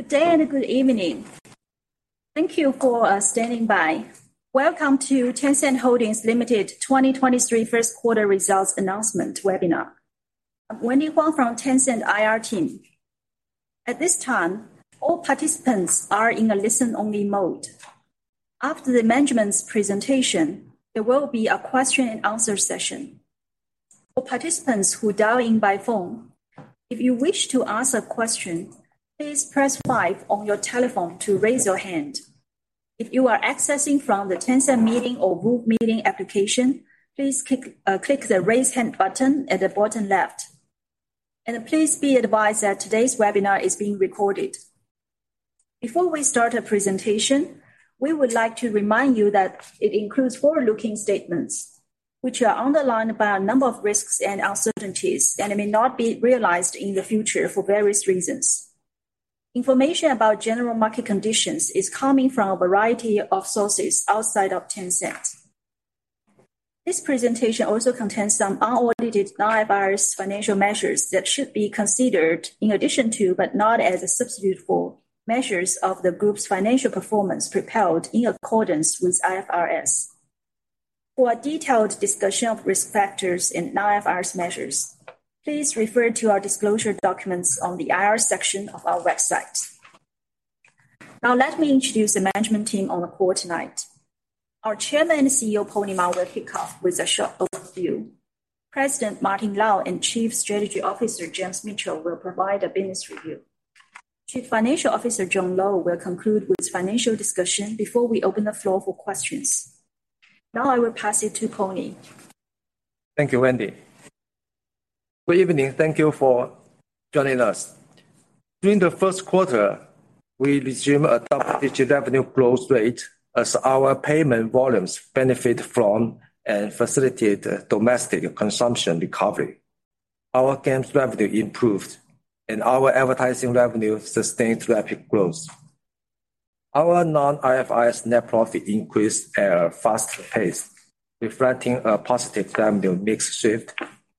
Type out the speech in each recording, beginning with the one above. Good day and good evening. Thank you for standing by. Welcome to Tencent Holdings Limited 2023 first quarter results announcement webinar. I'm Wendy Huang from Tencent IR team. At this time, all participants are in a listen-only mode. After the management's presentation, there will be a question and answer session. For participants who dial in by phone, if you wish to ask a question, please press five on your telephone to raise your hand. If you are accessing from the Tencent Meeting or VooV Meeting application, please click the "Raise Hand" button at the bottom left. Please be advised that today's webinar is being recorded. Before we start the presentation, we would like to remind you that it includes forward-looking statements, which are underlined by a number of risks and uncertainties, and it may not be realized in the future for various reasons. Information about general market conditions is coming from a variety of sources outside of Tencent. This presentation also contains some unaudited non-IFRS financial measures that should be considered in addition to, but not as a substitute for, measures of the group's financial performance propelled in accordance with IFRS. For a detailed discussion of risk factors and non-IFRS measures, please refer to our disclosure documents on the IR section of our website. Let me introduce the management team on the call tonight. Our Chairman and CEO, Pony Ma, will kick off with a short overview. President, Martin Lau, and Chief Strategy Officer, James Mitchell will provide a business review. Chief Financial Officer, John Lo, will conclude with financial discussion before we open the floor for questions. I will pass you to Pony. Thank you, Wendy. Good evening. Thank you for joining us. During the first quarter, we resumed a double-digit revenue growth rate as our payment volumes benefit from and facilitate domestic consumption recovery. Our games revenue improved, and our advertising revenue sustained rapid growth. Our non-IFRS net profit increased at a faster pace, reflecting a positive revenue mix shift,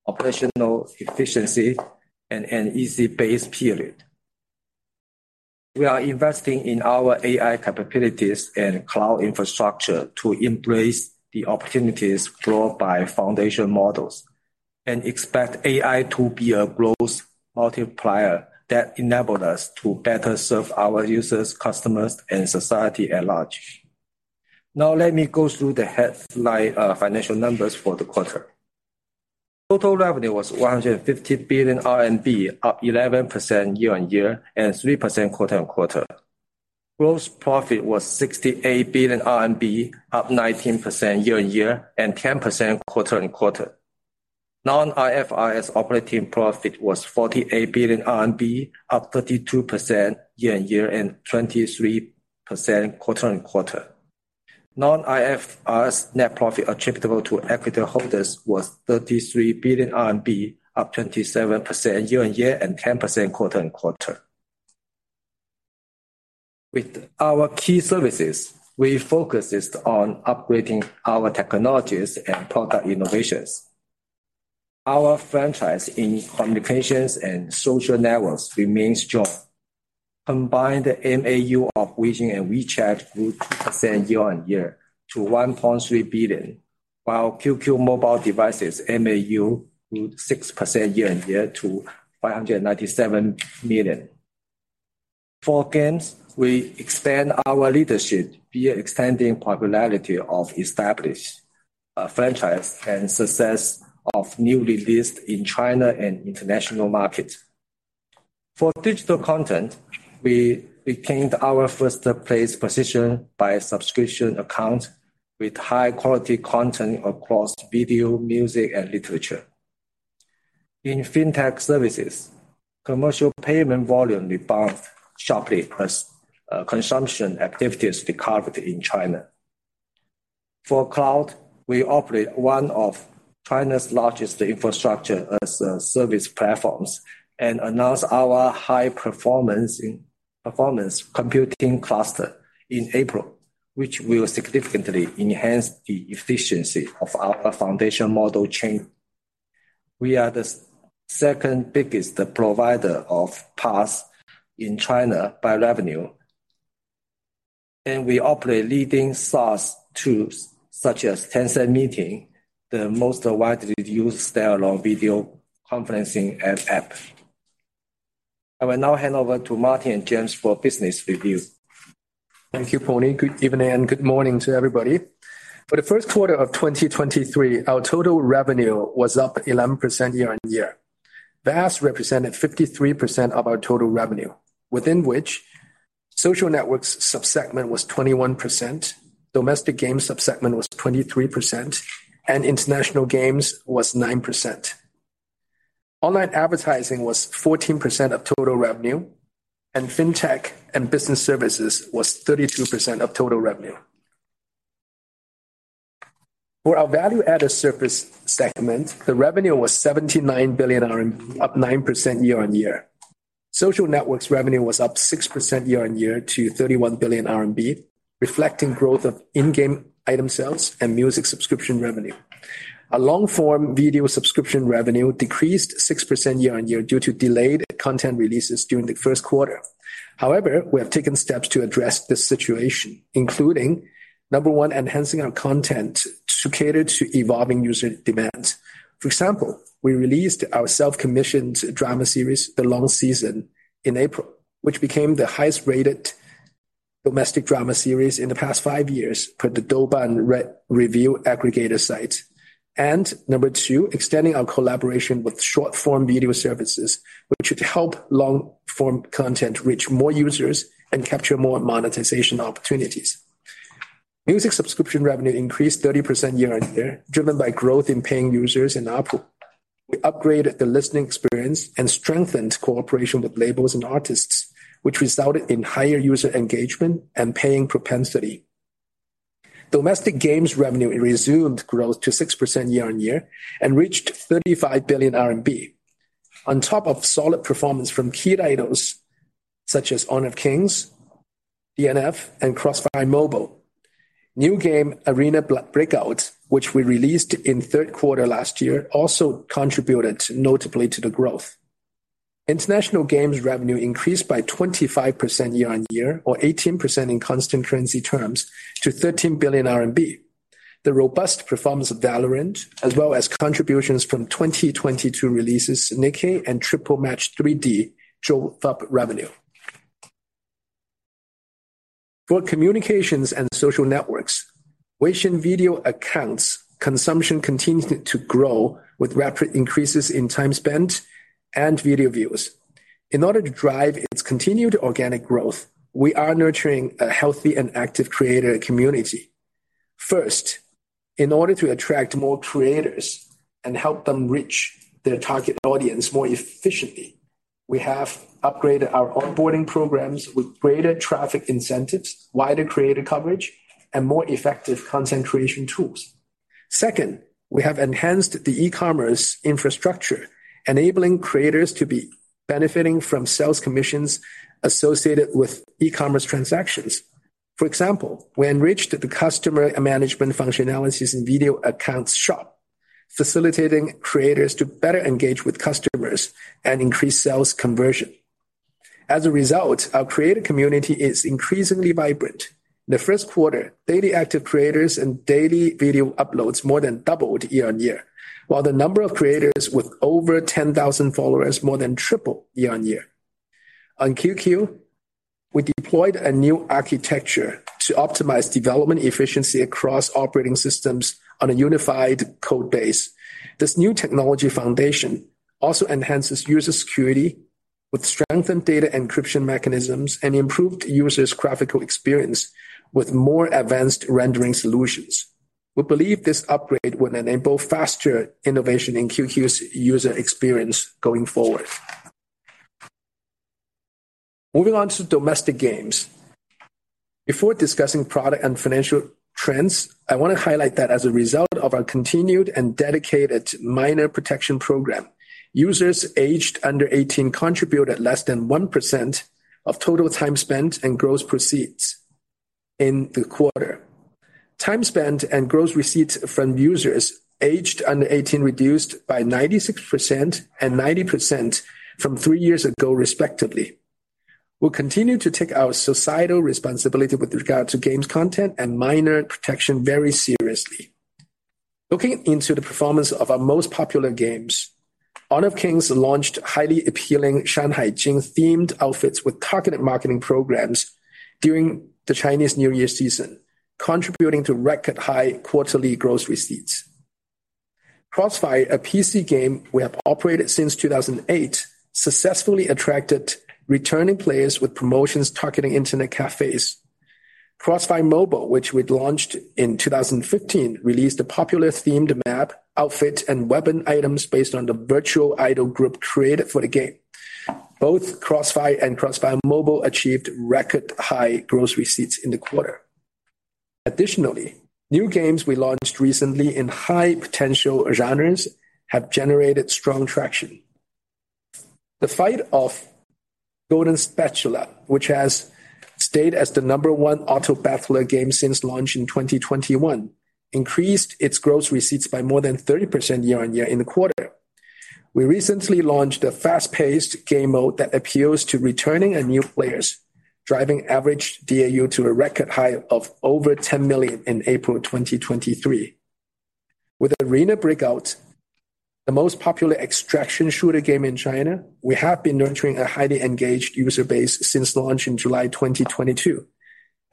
operational efficiency, and an easy base period. We are investing in our AI capabilities and cloud infrastructure to embrace the opportunities brought by foundation models, and expect AI to be a growth multiplier that enable us to better serve our users, customers, and society at large. Now let me go through the headline financial numbers for the quarter. Total revenue was 150 billion RMB, up 11% year-over-year, and 3% quarter-on-quarter. Gross profit was 68 billion RMB, up 19% year-on-year and 10% quarter-on-quarter. Non-IFRS operating profit was 48 billion RMB, up 32% year-on-year and 23% quarter-on-quarter. Non-IFRS net profit attributable to equity holders was 33 billion RMB, up 27% year-on-year and 10% quarter-on-quarter. With our key services, we focused on upgrading our technologies and product innovations. Our franchise in communications and social networks remains strong. Combined MAU of Weixin and Weixin grew 2% year-on-year to 1.3 billion, while QQ mobile devices MAU grew 6% year-on-year to 597 million. For games, we expand our leadership via extending popularity of established franchise and success of newly released in China and international markets. For digital content, we retained our first place position by subscription account with high-quality content across video, music, and literature. In fintech services, commercial payment volume rebound sharply as consumption activities recovered in China. For cloud, we operate one of China's largest Infrastructure as a Service platforms and announce our high-performance computing cluster in April, which will significantly enhance the efficiency of our foundation model chain. We are the second-biggest provider of PaaS in China by revenue. We operate leading SaaS tools such as Tencent Meeting, the most widely used standalone video conferencing as app. I will now hand over to Martin and James for business review. Thank you, Pony. Good evening and good morning to everybody. For the first quarter of 2023, our total revenue was up 11% year-on-year. VAS represented 53% of our total revenue, within which social networks sub-segment was 21%, domestic game sub-segment was 23%, and international games was 9%. Online advertising was 14% of total revenue, fintech and business services was 32% of total revenue. For our value-added service segment, the revenue was 79 billion RMB, up 9% year-on-year. Social networks revenue was up 6% year-on-year to 31 billion RMB. Reflecting growth of in-game item sales and music subscription revenue. Our long-form video subscription revenue decreased 6% year-on-year due to delayed content releases during the first quarter. However, we have taken steps to address this situation, including, number one, enhancing our content to cater to evolving user demands. For example, we released our self-commissioned drama series, The Long Season, in April, which became the highest-rated domestic drama series in the past five years per the Douban re-review aggregator site. Number two, extending our collaboration with short-form video services, which should help long-form content reach more users and capture more monetization opportunities. Music subscription revenue increased 30% year-on-year, driven by growth in paying users and we upgraded the listening experience and strengthened cooperation with labels and artists, which resulted in higher user engagement and paying propensity. Domestic games revenue resumed growth to 6% year-on-year and reached 35 billion RMB. On top of solid performance from key titles such as Honor of Kings, DnF, and CrossFire Mobile. New game Arena Breakout, which we released in third quarter last year, also contributed notably to the growth. International games revenue increased by 25% year-on-year or 18% in constant currency terms to 13 billion RMB. The robust performance of VALORANT, as well as contributions from 2022 releases NIKKE and Triple Match 3D drove up revenue. For communications and social networks, Weixin Video Accounts consumption continued to grow with rapid increases in time spent and video views. In order to drive its continued organic growth, we are nurturing a healthy and active creator community. First, in order to attract more creators and help them reach their target audience more efficiently, we have upgraded our onboarding programs with greater traffic incentives, wider creator coverage, and more effective content creation tools. Second, we have enhanced the e-commerce infrastructure, enabling creators to be benefiting from sales commissions associated with e-commerce transactions. For example, we enriched the customer management functionalities in Video Accounts shop, facilitating creators to better engage with customers and increase sales conversion. As a result, our creator community is increasingly vibrant. The first quarter, daily active creators and daily video uploads more than doubled year-on-year, while the number of creators with over 10,000 followers more than tripled year-on-year. On QQ, we deployed a new architecture to optimize development efficiency across operating systems on a unified code base. This new technology foundation also enhances user security with strengthened data encryption mechanisms and improved users' graphical experience with more advanced rendering solutions. We believe this upgrade will enable faster innovation in QQ's user experience going forward. Moving on to domestic games. Before discussing product and financial trends, I want to highlight that as a result of our continued and dedicated minor protection program, users aged under 18 contributed less than 1% of total time spent and gross proceeds in the quarter. Time spent and gross receipts from users aged under 18 reduced by 96% and 90% from three years ago, respectively. We'll continue to take our societal responsibility with regard to games content and minor protection very seriously. Looking into the performance of our most popular games, Honor of Kings launched highly appealing Shan Hai Jing-themed outfits with targeted marketing programs during the Chinese New Year season, contributing to record high quarterly gross receipts. CrossFire, a PC game we have operated since 2008, successfully attracted returning players with promotions targeting Internet cafes. CrossFire Mobile, which we launched in 2015, released a popular themed map, outfit, and weapon items based on the virtual idol group created for the game. Both CrossFire and CrossFire Mobile achieved record-high gross receipts in the quarter. Additionally, new games we launched recently in high-potential genres have generated strong traction. Battle of Golden Spatula, which has stayed as the number one auto-battler game since launch in 2021, increased its gross receipts by more than 30% year-on-year in the quarter. We recently launched a fast-paced game mode that appeals to returning and new players, driving average DAU to a record high of over 10 million in April 2023. With Arena Breakout, the most popular extraction shooter game in China, we have been nurturing a highly engaged user base since launch in July 2022,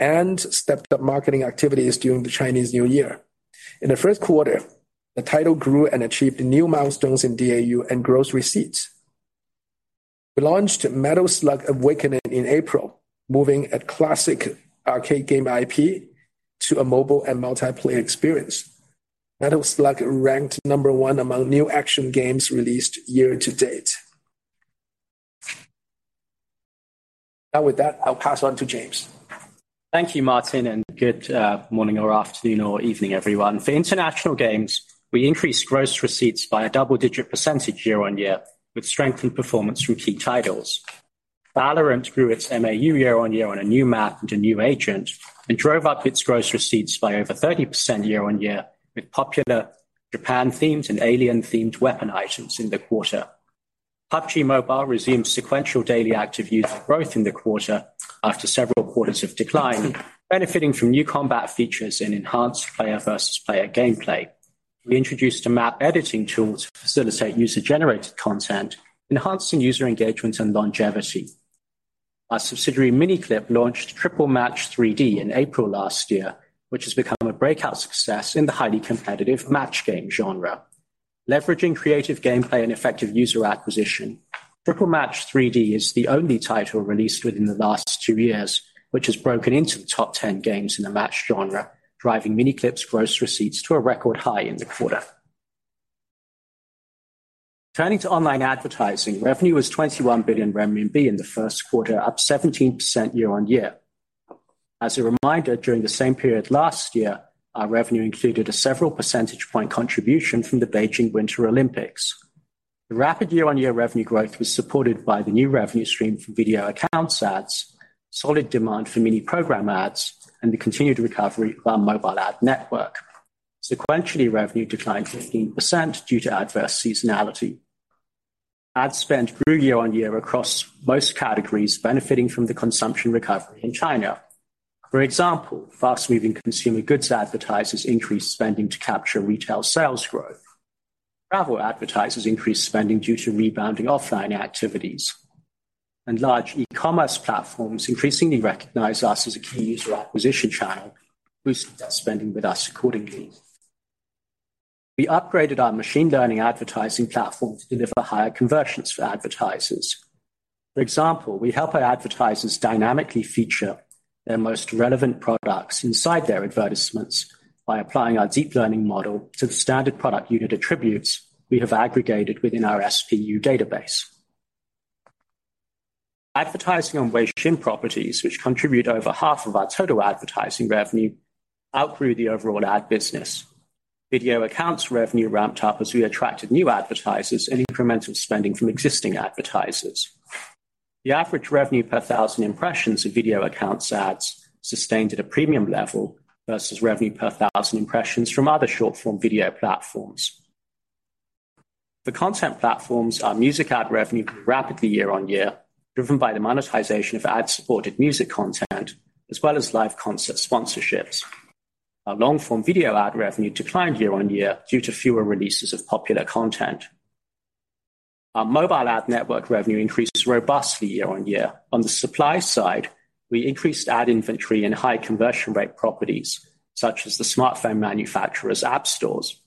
and stepped up marketing activities during the Chinese New Year. In the first quarter, the title grew and achieved new milestones in DAU and gross receipts. We launched Metal Slug: Awakening in April, moving a classic arcade game IP to a mobile and multiplayer experience. Metal Slug ranked number one among new action games released year-to-date. With that, I'll pass on to James. Thank you, Martin, and good morning or afternoon or evening, everyone. For international games, we increased gross receipts by a double-digit percent year-on-year with strengthened performance from key titles. VALORANT grew its MAU year-on-year on a new map and a new agent, and drove up its gross receipts by over 30% year-on-year with popular Japan-themed and alien-themed weapon items in the quarter. PUBG Mobile resumed sequential daily active user growth in the quarter after several quarters of decline, benefiting from new combat features and enhanced player versus player gameplay. We introduced a map editing tool to facilitate user-generated content, enhancing user engagement and longevity. Our subsidiary, Miniclip, launched Triple Match 3D in April last year, which has become a breakout success in the highly competitive match game genre. Leveraging creative gameplay and effective user acquisition, Triple Match 3D is the only title released within the last two years which has broken into the top 10 games in the match genre, driving Miniclip's gross receipts to a record high in the quarter. Turning to online advertising, revenue was 21 billion renminbi in the first quarter, up 17% year-on-year. As a reminder, during the same period last year, our revenue included a several percentage point contribution from the Beijing Winter Olympics. The rapid year-on-year revenue growth was supported by the new revenue stream from Video Accounts ads, solid demand for Mini Programs ads, and the continued recovery of our mobile ad network. Sequentially, revenue declined 15% due to adverse seasonality. Ad spend grew year-on-year across most categories, benefiting from the consumption recovery in China. For example, fast-moving consumer goods advertisers increased spending to capture retail sales growth. Travel advertisers increased spending due to rebounding offline activities. Large e-commerce platforms increasingly recognize us as a key user acquisition channel, boosting their spending with us accordingly. We upgraded our machine learning advertising platform to deliver higher conversions for advertisers. For example, we help our advertisers dynamically feature their most relevant products inside their advertisements by applying our deep learning model to the standard product unit attributes we have aggregated within our SPU database. Advertising on Weixin Properties, which contribute over half of our total advertising revenue, outgrew the overall ad business. Video Accounts revenue ramped up as we attracted new advertisers and incremental spending from existing advertisers. The average revenue per 1,000 impressions of Video Accounts ads sustained at a premium level versus revenue per 1,000 impressions from other short-form video platforms. For content platforms, our music ad revenue grew rapidly year-on-year, driven by the monetization of ad-supported music content as well as live concert sponsorships. Our long-form video ad revenue declined year-on-year due to fewer releases of popular content. Our mobile ad network revenue increased robustly year-on-year. On the supply side, we increased ad inventory in high conversion rate properties, such as the smartphone manufacturer's app stores.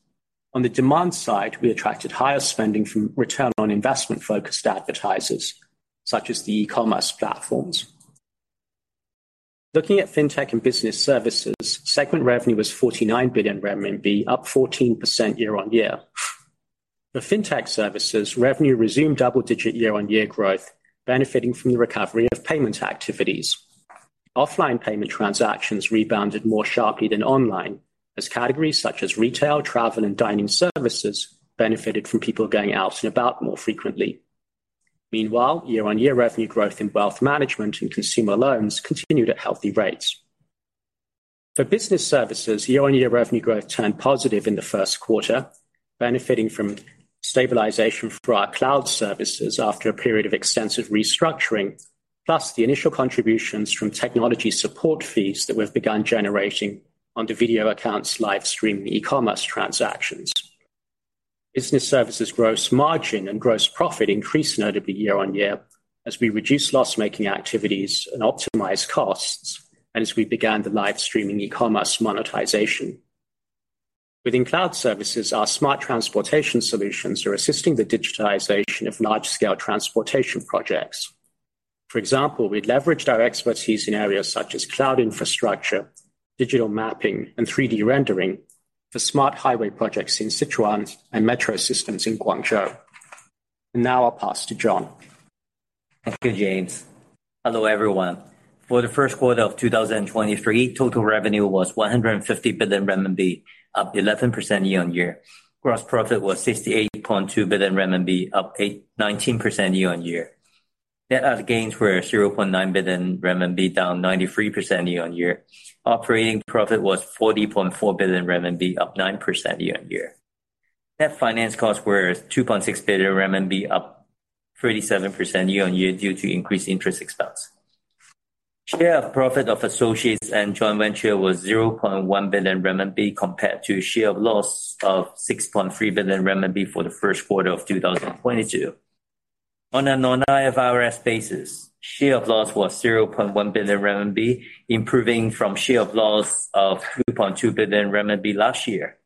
On the demand side, we attracted higher spending from return on investment-focused advertisers, such as the e-commerce platforms. Looking at fintech and business services, segment revenue was 49 billion RMB, up 14% year-on-year. For fintech services, revenue resumed double-digit year-on-year growth, benefiting from the recovery of payment activities. Offline payment transactions rebounded more sharply than online, as categories such as retail, travel, and dining services benefited from people going out and about more frequently. Meanwhile, year-on-year revenue growth in wealth management and consumer loans continued at healthy rates. For business services, year-on-year revenue growth turned positive in the first quarter, benefiting from stabilization for our cloud services after a period of extensive restructuring, plus the initial contributions from technology support fees that we've begun generating on the Video Accounts live streaming e-commerce transactions. Business services gross margin and gross profit increased notably year-on-year as we reduced loss-making activities and optimized costs, as we began the live streaming e-commerce monetization. Within cloud services, our smart transportation solutions are assisting the digitization of large-scale transportation projects. For example, we leveraged our expertise in areas such as cloud infrastructure, digital mapping, and 3D rendering for smart highway projects in Sichuan and metro systems in Guangzhou. Now I'll pass to John. Thank you, James. Hello, everyone. For the first quarter of 2023, total revenue was 150 billion RMB, up 11% year-on-year. Gross profit was 68.2 billion RMB, up 19% year-on-year. Net other gains were 0.9 billion RMB, down 93% year-on-year. Operating profit was 40.4 billion RMB, up 9% year-on-year. Net finance costs were 2.6 billion RMB, up 37% year-on-year due to increased interest expense. Share of profit of associates and joint venture was 0.1 billion RMB compared to share of loss of 6.3 billion RMB for the first quarter of 2022. On a non-IFRS basis, share of loss was 0.1 billion RMB, improving from share of loss of 2.2 billion RMB last year.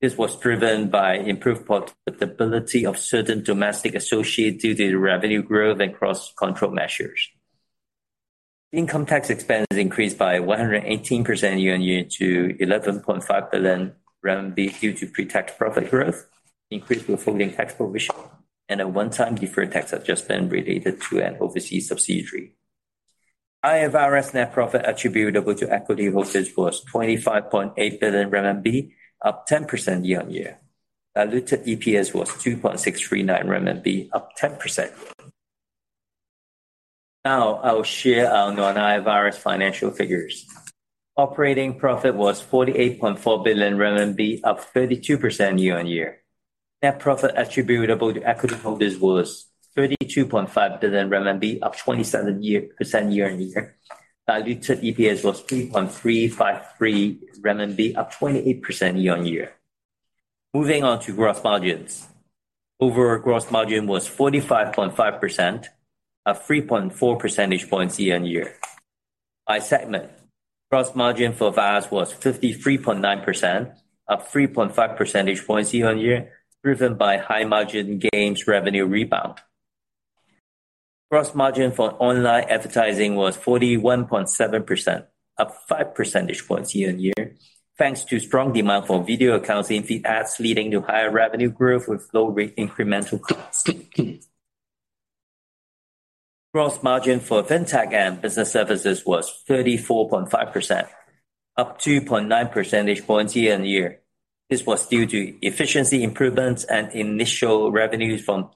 This was driven by improved profitability of certain domestic associates due to revenue growth and cross-control measures. Income tax expenses increased by 118% year-on-year to 11.5 billion RMB due to pre-tax profit growth, increased withholding tax provision, and a one-time deferred tax adjustment related to an overseas subsidiary. IFRS net profit attributable to equity holders was 25.8 billion RMB, up 10% year-on-year. Diluted EPS was 2.639 RMB, up 10%. I'll share our non-IFRS financial figures. Operating profit was RMB 48.4 billion, up 32% year-on-year. Net profit attributable to equity holders was 32.5 billion RMB, up 27% year-on-year. Diluted EPS was 3.353 RMB, up 28% year-on-year. Moving on to gross margins. Overall gross margin was 45.5%, up 3.4 percentage points year-on-year. By segment, gross margin for VAS was 53.9%, up 3.5 percentage points year-on-year, driven by high-margin games revenue rebound. Gross margin for online advertising was 41.7%, up 5 percentage points year-on-year, thanks to strong demand for Video Accounts in feed ads, leading to higher revenue growth with low rate incremental costs. Gross margin for Fintech and business services was 34.5%, up 2.9 percentage points year-on-year. This was due to efficiency improvements and initial revenues from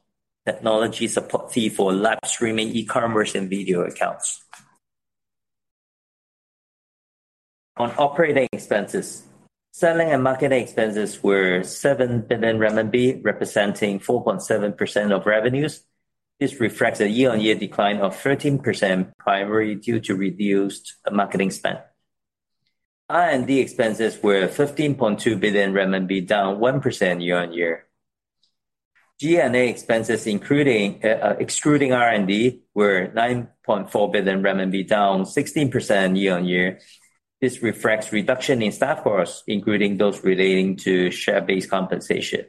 technology support fee for live streaming, e-commerce and Video Accounts. On operating expenses, selling and marketing expenses were 7 billion RMB, representing 4.7% of revenues. This reflects a year-over-year decline of 13% primarily due to reduced marketing spend. R&D expenses were 15.2 billion RMB, down 1% year-over-year. G&A expenses, including, excluding R&D, were RMB 9.4 billion, down 16% year-over-year. This reflects reduction in staff costs, including those relating to share-based compensation.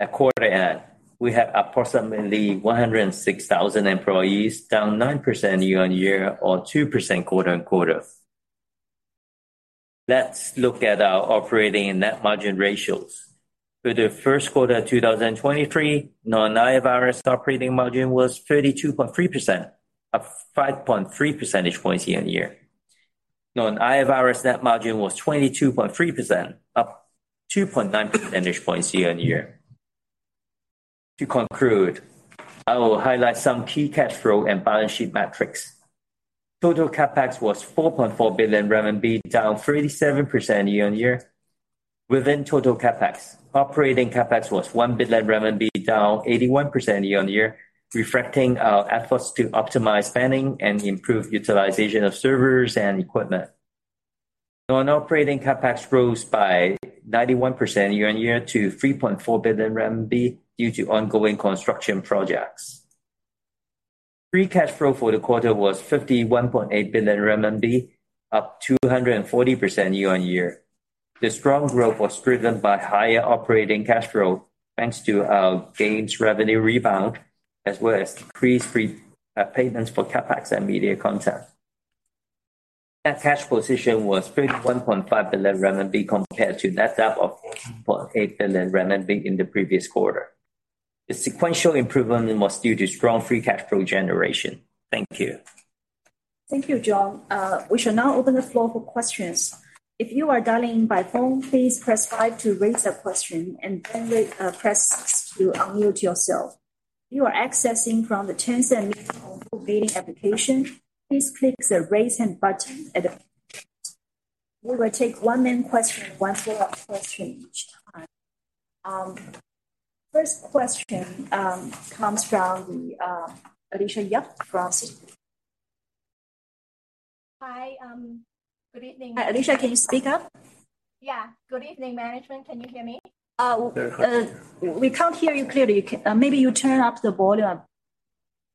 At quarter end, we have approximately 106,000 employees, down 9% year-over-year or 2% quarter-on-quarter. Let's look at our operating net margin ratios. For the first quarter 2023, non-IFRS operating margin was 32.3%, up 5.3 percentage points year-over-year. Non-IFRS net margin was 22.3%, up 2.9 percentage points year-over-year. To conclude, I will highlight some key cash flow and balance sheet metrics. Total CapEx was 4.4 billion RMB, down 37% year-on-year. Within total CapEx, operating CapEx was 1 billion RMB, down 81% year-on-year, reflecting our efforts to optimize spending and improve utilization of servers and equipment. Non-operating CapEx rose by 91% year-on-year to 3.4 billion RMB due to ongoing construction projects. Free cash flow for the quarter was 51.8 billion RMB, up 240% year-on-year. This strong growth was driven by higher operating cash flow, thanks to our games revenue rebound, as well as decreased free payments for CapEx and media content. Net cash position was 31.5 billion RMB, compared to net debt of 14.8 billion RMB in the previous quarter. The sequential improvement was due to strong free cash flow generation. Thank you. Thank you, John. We shall now open the floor for questions. If you are dialing in by phone, please press five to raise a question and then, press six to unmute yourself. If you are accessing from the Tencent Meeting mobile meeting application, please click the "Raise Hand" button at the... We will take one main question, one follow-up question each time. first question, comes from the, Alicia Yap from Citi. Hi. Good evening. Alicia, can you speak up? Yeah. Good evening, management. Can you hear me? Uh—we can't hear you clearly. Maybe you turn up the volume.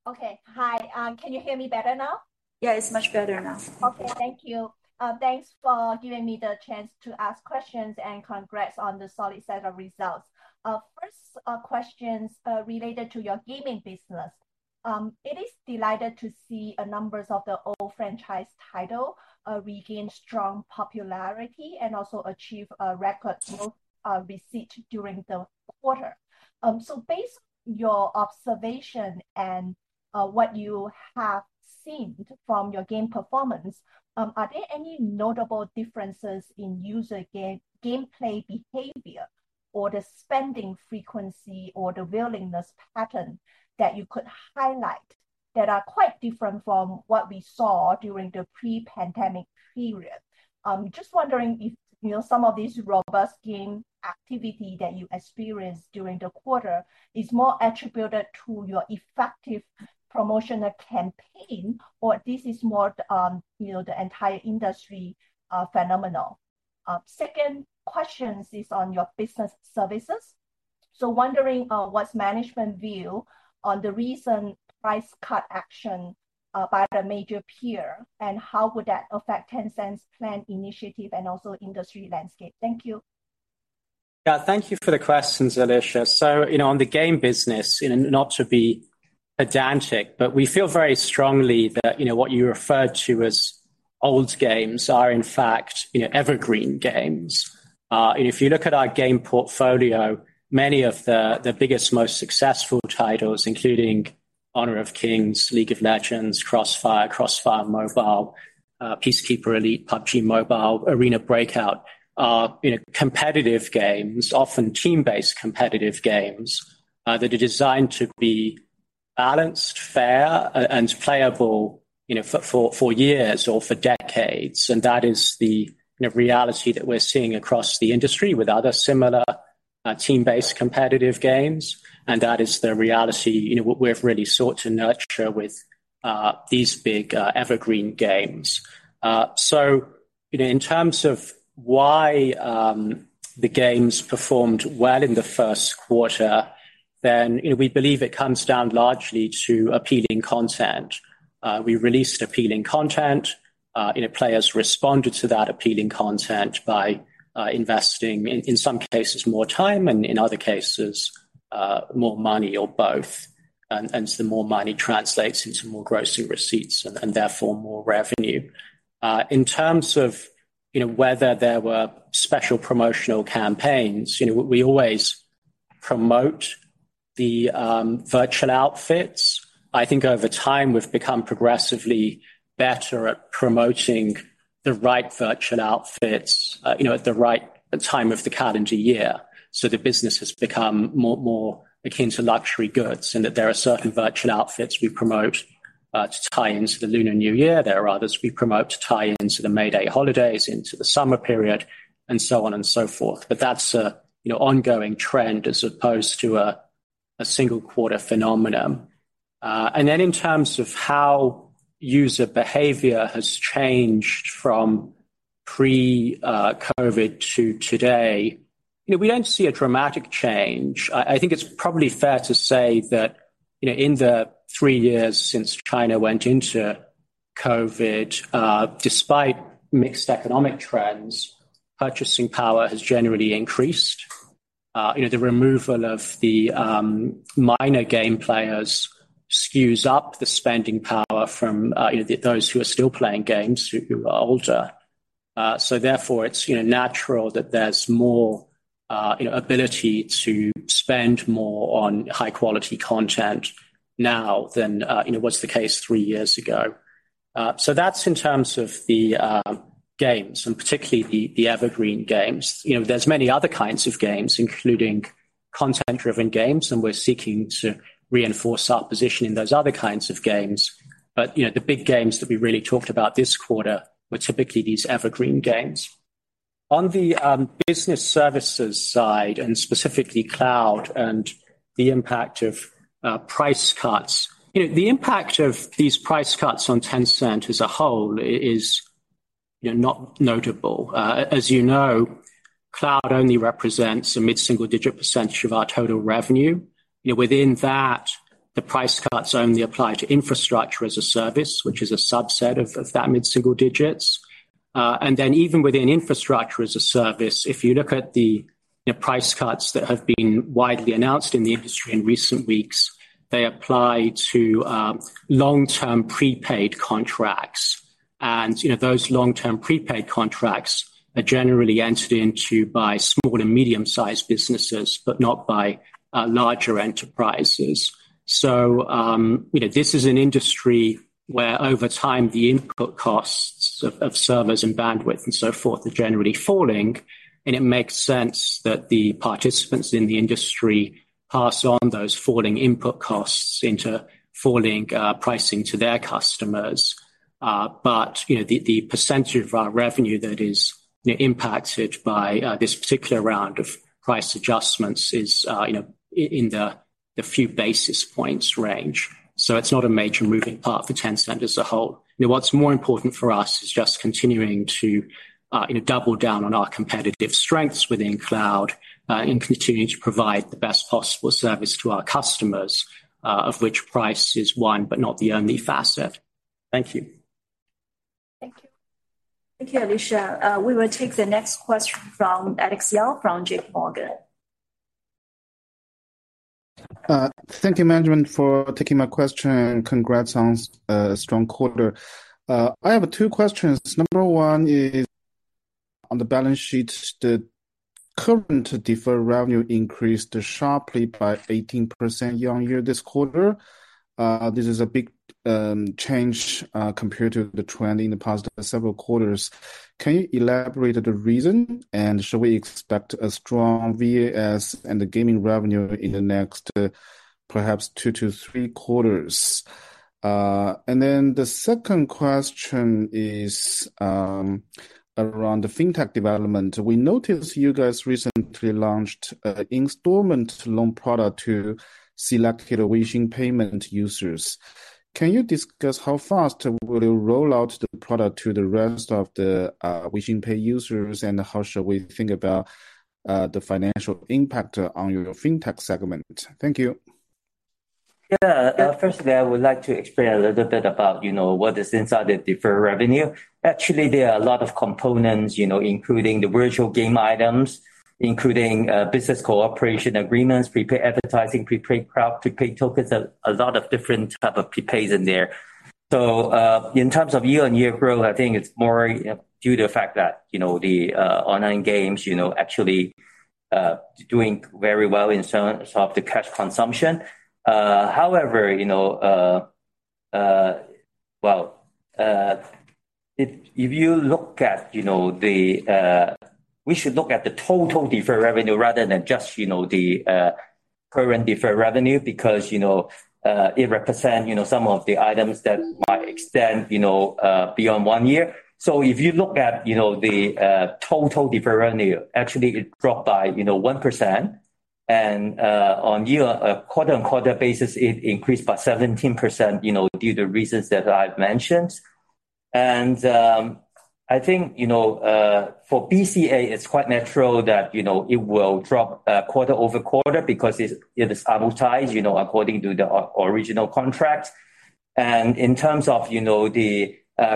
Okay. Hi, can you hear me better now? Yeah, it's much better now. Okay. Thank you. Thanks for giving me the chance to ask questions, and congrats on the solid set of results. First, questions related to your gaming business. It is delighted to see a numbers of the old franchise title regain strong popularity and also achieve a record growth receipt during the quarter. Based your observation and what you have seen from your game performance, are there any notable differences in user gameplay behavior or the spending frequency or the willingness pattern that you could highlight that are quite different from what we saw during the pre-pandemic period? Just wondering if, you know, some of these robust game activity that you experienced during the quarter is more attributed to your effective promotional campaign or this is more, you know, the entire industry phenomenon. Second questions is on your business services. Wondering what's management view on the recent price cut action by the major peer and how would that affect Tencent's planned initiative and also industry landscape? Thank you. Yeah. Thank you for the questions, Alicia. You know, on the game business, you know, not to be pedantic, but we feel very strongly that, you know, what you referred to as old games are in fact, you know, Evergreen games. If you look at our game portfolio, many of the biggest, most successful titles, including Honor of Kings, League of Legends, CrossFire Mobile, Peacekeeper Elite, PUBG Mobile, Arena Breakout are, you know, competitive games, often team-based competitive games, that are designed to be balanced, fair, and playable, you know, for years or for decades. That is the, you know, reality that we're seeing across the industry with other similar, team-based competitive games. That is the reality, you know, we've really sought to nurture with these big, Evergreen games. So, you know, in terms of why the games performed well in the first quarter, then, you know, we believe it comes down largely to appealing content. We released appealing content. You know, players responded to that appealing content by investing in some cases more time, and in other cases, more money or both. So the more money translates into more gross receipts and, therefore more revenue. In terms of, you know, whether there were special promotional campaigns. You know, we always promote the virtual outfits. I think over time, we've become progressively better at promoting the right virtual outfits, you know, at the right time of the calendar year. The business has become more akin to luxury goods, in that there are certain virtual outfits we promote to tie into the Lunar New Year. There are others we promote to tie into the May Day holidays, into the summer period, and so on and so forth. That's, you know, ongoing trend as opposed to a single quarter phenomenon. In terms of how user behavior has changed from pre-COVID to today. You know, we don't see a dramatic change. I think it's probably fair to say that, you know, in the three years since China went into COVID, despite mixed economic trends, purchasing power has generally increased. You know, the removal of the minor game players skews up the spending power from, you know, those who are still playing games who are older. It's, you know, natural that there's more, you know, ability to spend more on high quality content now than, you know, was the case three years ago. That's in terms of the games and particularly the Evergreen games. You know, there's many other kinds of games, including content-driven games, and we're seeking to reinforce our position in those other kinds of games. You know, the big games that we really talked about this quarter were typically these Evergreen games. On the business services side, and specifically cloud and the impact of price cuts. You know, the impact of these price cuts on Tencent as a whole is, you know, not notable. As you know, cloud only represents a mid-single digit percent of our total revenue. You know, within that, the price cuts only apply to Infrastructure as a Service, which is a subset of that mid-single digits. Even within Infrastructure as a Service, if you look at the, you know, price cuts that have been widely announced in the industry in recent weeks, they apply to long-term prepaid contracts. You know, those long-term prepaid contracts are generally entered into by small and medium-sized businesses, but not by larger enterprises. You know, this is an industry where over time the input costs of servers and bandwidth and so forth are generally falling, and it makes sense that the participants in the industry pass on those falling input costs into falling pricing to their customers. You know, the percentage of our revenue that is, you know, impacted by this particular round of price adjustments is, you know, in the few basis points range. It's not a major moving part for Tencent as a whole. You know, what's more important for us is just continuing to, you know, double down on our competitive strengths within cloud, and continuing to provide the best possible service to our customers, of which price is one but not the only facet. Thank you. Thank you. Thank you, Alicia. We will take the next question from Alex Yao from JPMorgan. Thank you, management, for taking my question. Congrats on a strong quarter. I have two questions. Number one is on the balance sheet. The current deferred revenue increased sharply by 18% year-on-year this quarter. This is a big change compared to the trend in the past several quarters. Can you elaborate the reason? Should we expect a strong VAS and the gaming revenue in the next perhaps two to three quarters? The second question is around the fintech development. We noticed you guys recently launched an installment loan product to selected Weixin Pay payment users. Can you discuss how fast will you roll out the product to the rest of the Weixin Pay users? How should we think about the financial impact on your fintech segment? Thank you. Yeah. firstly, I would like to explain a little bit about, you know, what is inside the deferred revenue. Actually, there are a lot of components, you know, including the virtual game items, including business cooperation agreements, prepaid advertising, prepaid crowd, prepaid tokens, a lot of different type of prepays in there. In terms of year-on-year growth, I think it's more, you know, due to the fact that, you know, the online games, you know, actually doing very well in terms of the cash consumption. However, you know, Well, if you look at, you know, the. We should look at the total deferred revenue rather than just, you know, the current deferred revenue because, you know, it represent, you know, some of the items that might extend, you know, beyond one year. If you look at, you know, the total deferred revenue, actually it dropped by, you know, 1% and on year, quarter-on-quarter basis, it increased by 17%, you know, due to reasons that I've mentioned. For BCA, it's quite natural that, you know, it will drop quarter-over-quarter because it's, it is amortized, you know, according to the original contract. In terms of, you know, the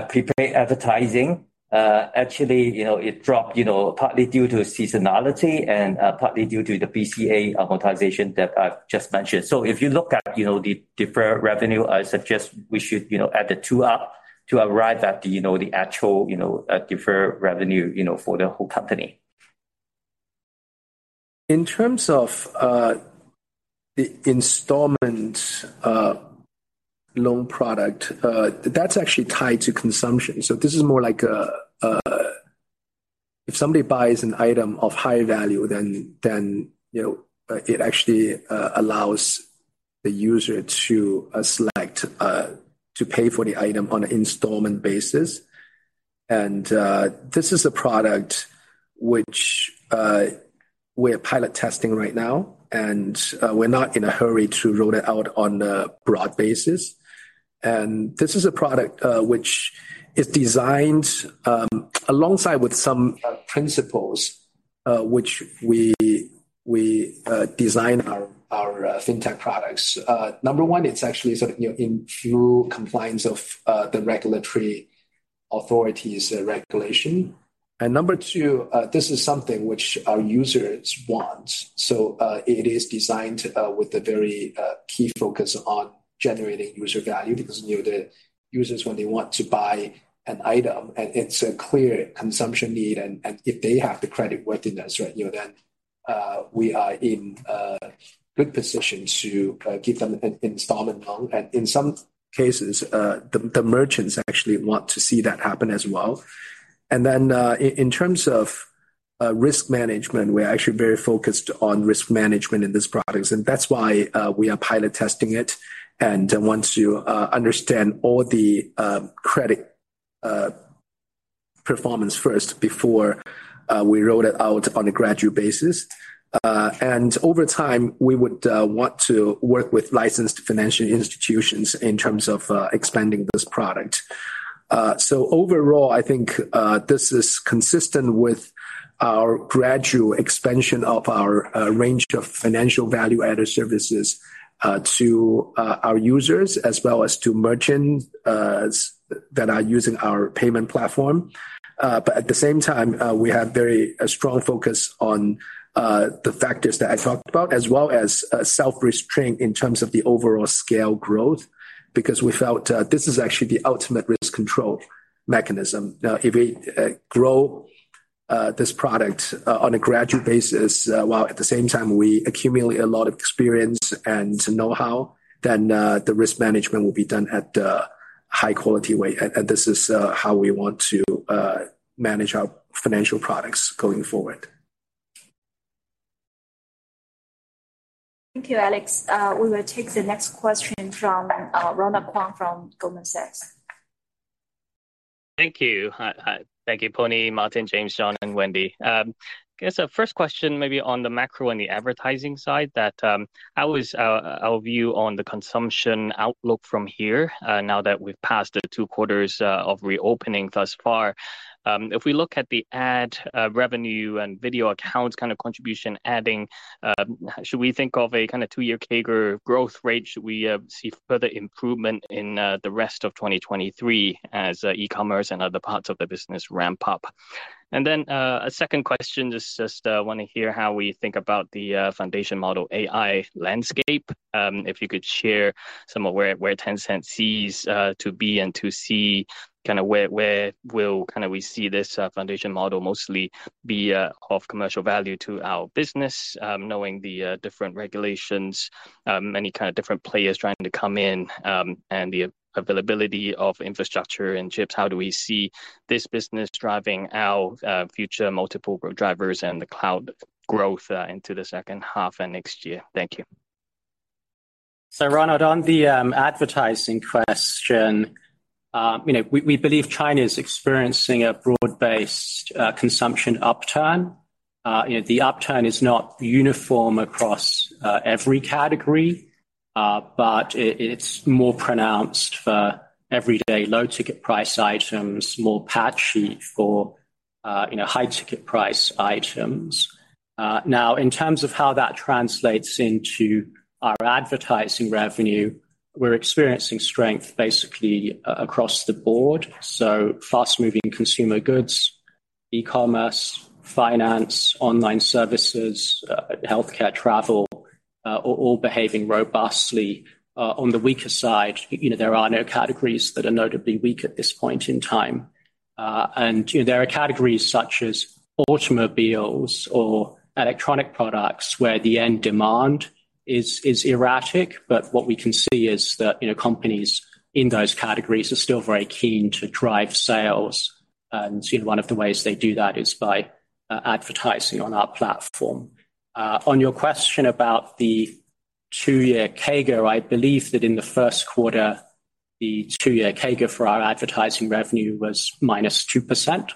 prepay advertising, actually, you know, it dropped, you know, partly due to seasonality and, partly due to the BCA amortization that I've just mentioned. If you look at, you know, the deferred revenue, I suggest we should, you know, add the two up to arrive at the, you know, the actual, you know, deferred revenue, you know, for the whole company. In terms of, the installment, loan product, that's actually tied to consumption. This is more like, if somebody buys an item of high value, then, you know, it actually allows the user to select to pay for the item on an installment basis. This is a product which we're pilot testing right now, and we're not in a hurry to roll it out on a broad basis. This is a product which is designed alongside with some principles which we design our fintech products. Number one, it's actually sort of, you know, in full compliance of the regulatory authority's regulation. Number two, this is something which our users want. It is designed with a very key focus on generating user value because, you know, the users when they want to buy an item, and it's a clear consumption need. If they have the credit worthiness right, you know, then we are in a good position to give them an installment loan. In some cases, the merchants actually want to see that happen as well. Then, in terms of risk management, we're actually very focused on risk management in this product. That's why we are pilot testing it and want to understand all the credit performance first before we roll it out on a gradual basis. Over time, we would want to work with licensed financial institutions in terms of expanding this product. Overall, I think this is consistent with our gradual expansion of our range of financial value-added services to our users as well as to merchants that are using our payment platform. At the same time, we have very strong focus on the factors that I talked about as well as self-restraint in terms of the overall scale growth. Because we felt this is actually the ultimate risk control mechanism. If we grow this product on a gradual basis, while at the same time we accumulate a lot of experience and know-how, then the risk management will be done at a high quality way. And this is how we want to manage our financial products going forward. Thank you, Alex. We will take the next question from Ronald Keung from Goldman Sachs. Thank you. Hi, hi. Thank you, Pony, Martin, James, John, and Wendy. I guess the first question maybe on the macro and the advertising side that, how is our view on the consumption outlook from here, now that we've passed the two quarters of reopening thus far? If we look at the ad revenue and Video Accounts kind of contribution adding, should we think of a kind of two-year CAGR growth rate? Should we see further improvement in the rest of 2023 as e-commerce and other parts of the business ramp up? A second question, just want to hear how we think about the foundation model AI landscape. If you could share some of where Tencent sees to be and to see kind of where will kind of we see this foundation model mostly be of commercial value to our business, knowing the different regulations, many kind of different players trying to come in, and the availability of infrastructure and chips. How do we see this business driving our future multiple growth drivers and the cloud growth into the second half and next year? Thank you. Ronald, on the advertising question, you know, we believe China is experiencing a broad-based consumption upturn. You know, the upturn is not uniform across every category, but it's more pronounced for everyday low ticket price items, more patchy for, you know, high ticket price items. Now, in terms of how that translates into our advertising revenue, we're experiencing strength basically across the board. Fast-moving consumer goods E-commerce, finance, online services, healthcare, travel, are all behaving robustly. On the weaker side, you know, there are no categories that are notably weak at this point in time. There are categories such as automobiles or electronic products where the end demand is erratic, but what we can see is that, you know, companies in those categories are still very keen to drive sales. You know, one of the ways they do that is by advertising on our platform. On your question about the two-year CAGR, I believe that in the first quarter, the two-year CAGR for our advertising revenue was minus 2%.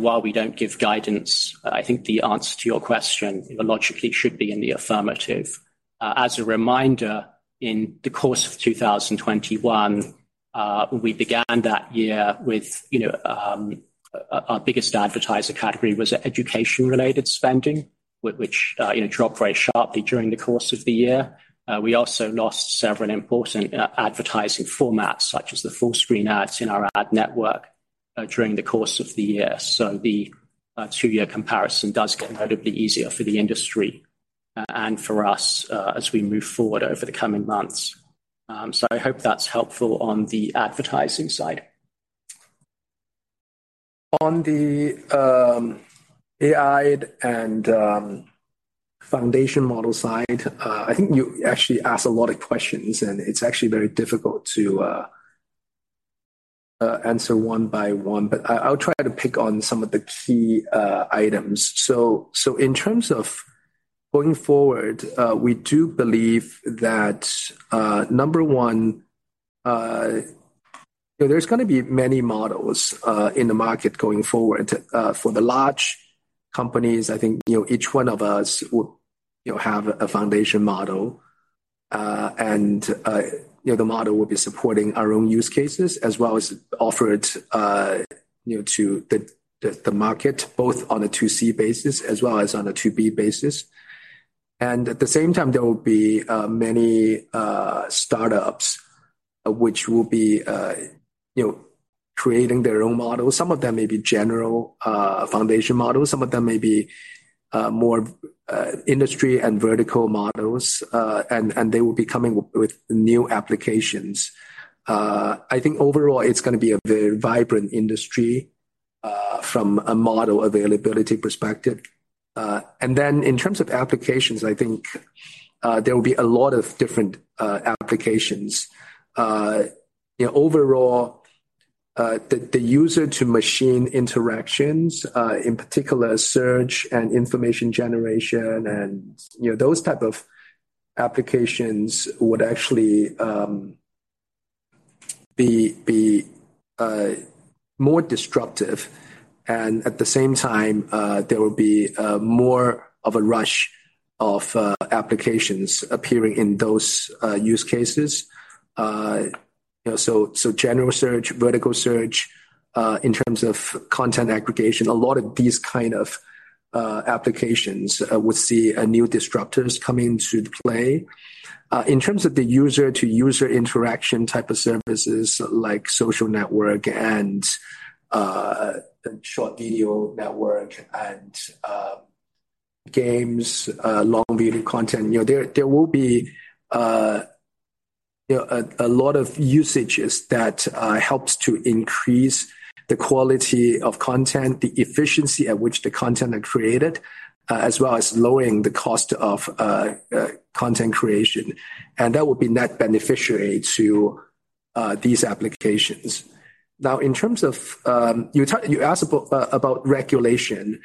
While we don't give guidance, I think the answer to your question logically should be in the affirmative. As a reminder, in the course of 2021, we began that year with, you know, our biggest advertiser category was education-related spending, which, you know, dropped very sharply during the course of the year. We also lost several important advertising formats such as the full-screen ads in our ad network, during the course of the year. The two-year comparison does get notably easier for the industry, and for us, as we move forward over the coming months. I hope that's helpful on the advertising side. On the AI and foundation model side, I think you actually asked a lot of questions, and it's actually very difficult to answer one by one. I'll try to pick on some of the key items. In terms of going forward, we do believe that number one, you know, there's gonna be many models in the market going forward. For the large companies, I think each one of us will have a foundation model. The model will be supporting our own use cases as well as offer it to the market, both on a 2C basis as well as on a 2B basis. At the same time, there will be many startups which will be, you know, creating their own models. Some of them may be general foundation models, some of them may be more industry and vertical models, and they will be coming with new applications. I think overall it's gonna be a very vibrant industry from a model availability perspective. Then in terms of applications, I think there will be a lot of different applications. You know, overall, the user-to-machine interactions, in particular search and information generation and, you know, those type of applications would actually be more disruptive. At the same time, there will be more of a rush of applications appearing in those use cases. You know, so general search, vertical search, in terms of content aggregation, a lot of these kind of applications would see new disruptors coming to play. In terms of the user-to-user interaction type of services like social network and short video network and games, long video content, you know, there will be, you know, a lot of usages that helps to increase the quality of content, the efficiency at which the content are created, as well as lowering the cost of content creation. That would be net beneficiary to these applications. Now, in terms of, you asked about regulation,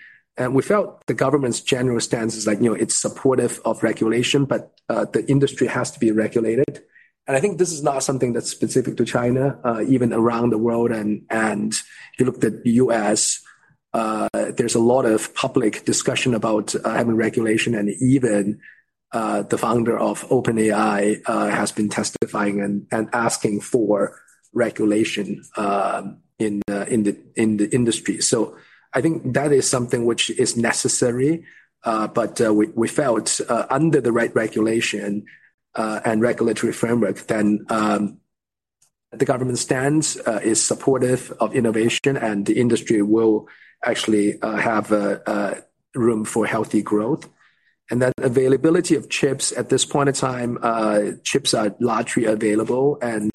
we felt the government's general stance is like, you know, it's supportive of regulation, but the industry has to be regulated. I think this is not something that's specific to China, even around the world. If you looked at the US, there's a lot of public discussion about having regulation. Even the founder of OpenAI has been testifying and asking for regulation in the industry. I think that is something which is necessary, but we felt under the right regulation and regulatory framework, then the government stance is supportive of innovation, and the industry will actually have room for healthy growth. That availability of chips at this point in time, chips are largely available and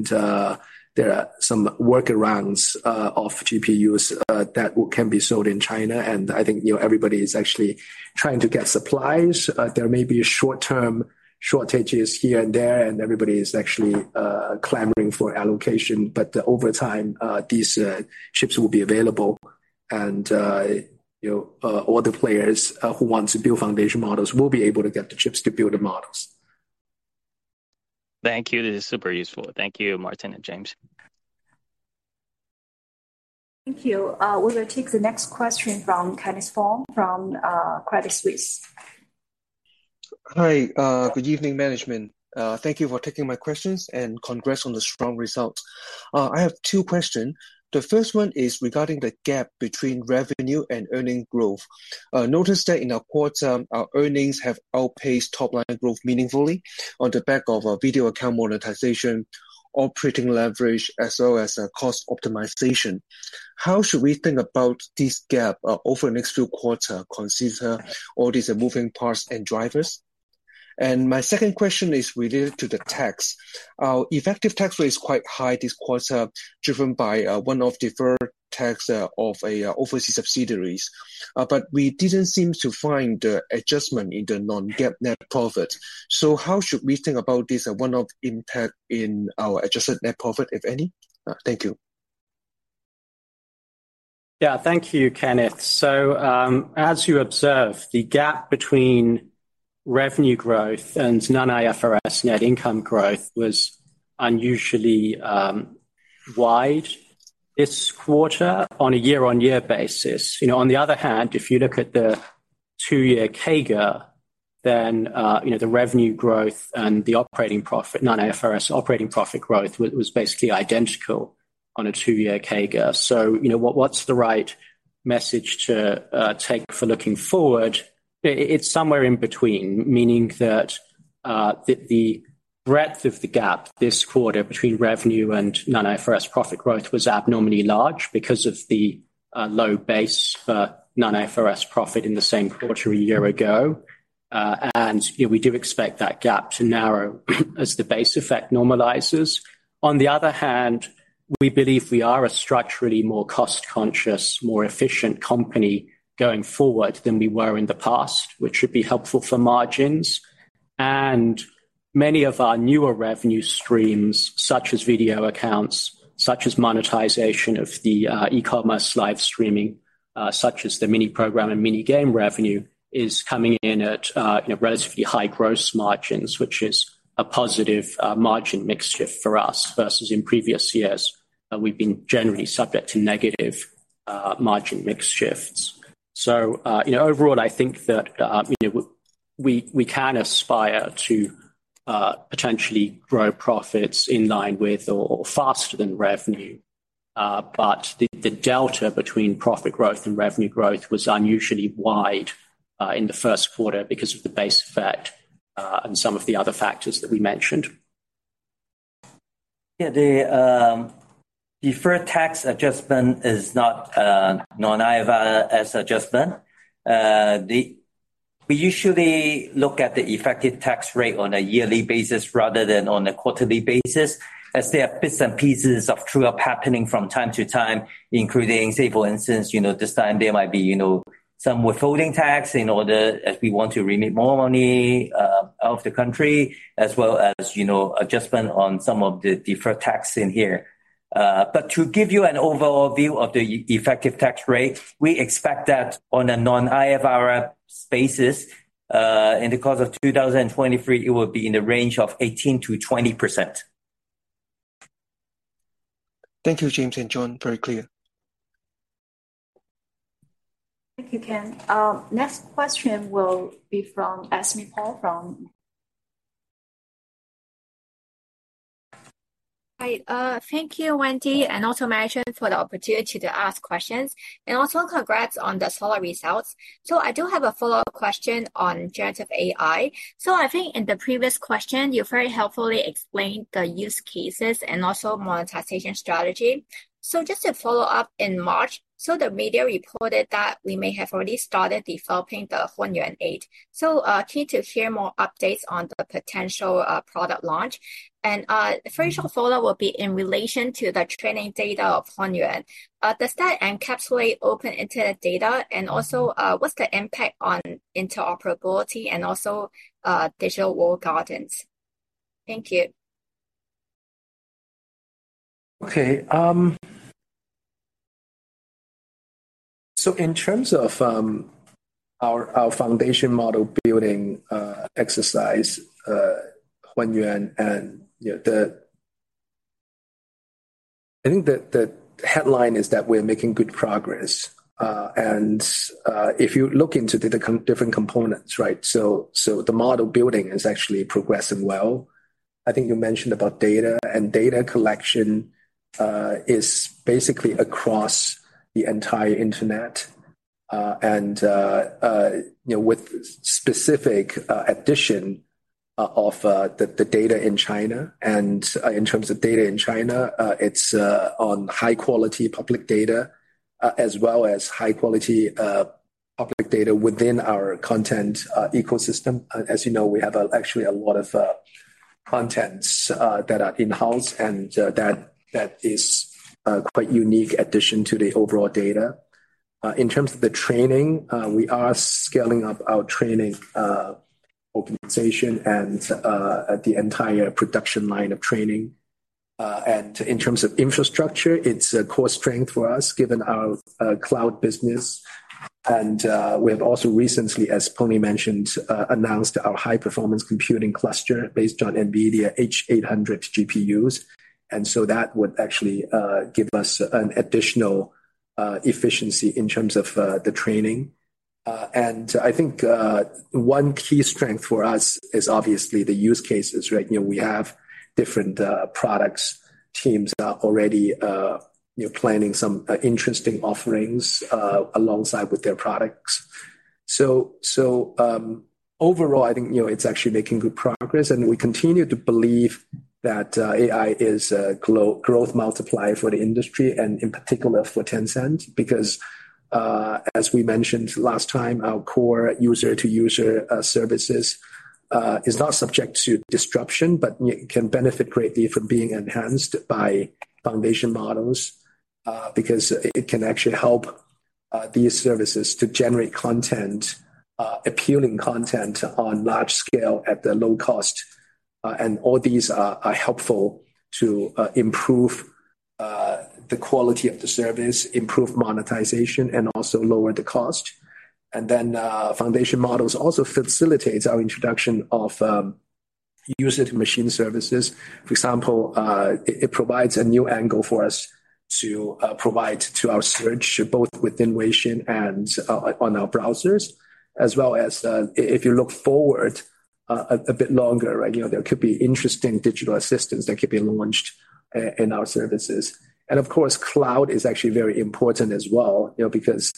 there are some workarounds of GPUs that can be sold in China. I think, you know, everybody is actually trying to get supplies. There may be short-term shortages here and there, and everybody is actually clamoring for allocation. Over time, these chips will be available and, you know, all the players who want to build foundation models will be able to get the chips to build the models. Thank you. This is super useful. Thank you, Martin and James. Thank you. We will take the next question from Kenneth Fong from Credit Suisse. Hi. Good evening, management. Thank you for taking my questions. Congrats on the strong results. I have two questions. The first one is regarding the gap between revenue and earnings growth. Notice that in our quarter, our earnings have outpaced top line growth meaningfully on the back of our Video Account monetization, operating leverage, as well as cost optimization. How should we think about this gap over the next few quarters, consider all these moving parts and drivers? My second question is related to the tax. Our effective tax rate is quite high this quarter, driven by one-off deferred tax of overseas subsidiaries. We didn't seem to find the adjustment in the non-GAAP net profit. How should we think about this one-off impact in our adjusted net profit, if any? Thank you. Yeah. Thank you, Kenneth. As you observed, the gap between revenue growth and non-IFRS net income growth was unusually wide this quarter on a year-on-year basis. You know, on the other hand, if you look at the two-year CAGR, the revenue growth and the operating profit, non-IFRS operating profit growth was basically identical on a two-year CAGR. You know, what's the right message to take for looking forward? It's somewhere in between, meaning that the breadth of the gap this quarter between revenue and non-IFRS profit growth was abnormally large because of the low base for non-IFRS profit in the same quarter a year ago. And, you know, we do expect that gap to narrow as the base effect normalizes. On the other hand, we believe we are a structurally more cost-conscious, more efficient company going forward than we were in the past, which should be helpful for margins. Many of our newer revenue streams, such as Video Accounts, such as monetization of the e-commerce live streaming, such as the Mini Program and Mini Game revenue, is coming in at, you know, relatively high gross margins, which is a positive margin mix shift for us versus in previous years, we've been generally subject to negative margin mix shifts. You know, overall, I think that, you know, we, we can aspire to potentially grow profits in line with or faster than revenue. The delta between profit growth and revenue growth was unusually wide in the first quarter because of the base effect and some of the other factors that we mentioned. The deferred tax adjustment is not a non-IFRS adjustment. We usually look at the effective tax rate on a yearly basis rather than on a quarterly basis, as there are bits and pieces of true-up happening from time to time, including, say, for instance, you know, this time there might be, you know, some withholding tax in order as we want to remit more money out of the country, as well as, you know, adjustment on some of the deferred tax in here. To give you an overall view of the effective tax rate, we expect that on a non-IFRS basis, in the course of 2023, it will be in the range of 18%-20%. Thank you, James and John. Very clear. Thank you, Ken. Next question will be from Esme Pau from— Hi. Thank you, Wendy, and also management for the opportunity to ask questions. Also congrats on the solid results. I do have a follow-up question on generative AI. I think in the previous question, you very helpfully explained the use cases and also monetization strategy. Just to follow up, in March, so the media reported that we may have already started developing the Hunyuan. Keen to hear more updates on the potential product launch. The first follow-up will be in relation to the training data of Hunyuan. Does that encapsulate open internet data? Also, what's the impact on interoperability and also digital walled gardens? Thank you. Okay. In terms of our foundation model building exercise, Hunyuan and, you know, I think the headline is that we're making good progress. If you look into the different components, right? The model building is actually progressing well. I think you mentioned about data, and data collection, is basically across the entire internet, and, you know, with specific addition of the data in China. In terms of data in China, it's on high-quality public data, as well as high-quality public data within our content ecosystem. As you know, we have actually a lot of contents that are in-house, and, that is a quite unique addition to the overall data. In terms of the training, we are scaling up our training organization and the entire production line of training. In terms of infrastructure, it's a core strength for us, given our Cloud business. We have also recently, as Pony mentioned, announced our high-performance computing cluster based on NVIDIA H800 GPUs. That would actually give us an additional efficiency in terms of the training. I think one key strength for us is obviously the use cases, right? You know, we have different products. Teams are already, you know, planning some interesting offerings alongside with their products. Overall, I think, you know, it's actually making good progress, and we continue to believe that AI is a growth multiplier for the industry and in particular for Tencent. Because as we mentioned last time, our core user-to-user services is not subject to disruption, but can benefit greatly from being enhanced by foundation models. Because it can actually help these services to generate content, appealing content on large scale at a low cost. All these are helpful to improve the quality of the service, improve monetization, and also lower the cost. Foundation models also facilitates our introduction of user-to-machine services. For example, it provides a new angle for us to provide to our search, both within Weixin and on our browsers. As well as, if you look forward a bit longer, right? You know, there could be interesting digital assistants that could be launched in our services. Of course, cloud is actually very important as well, you know, because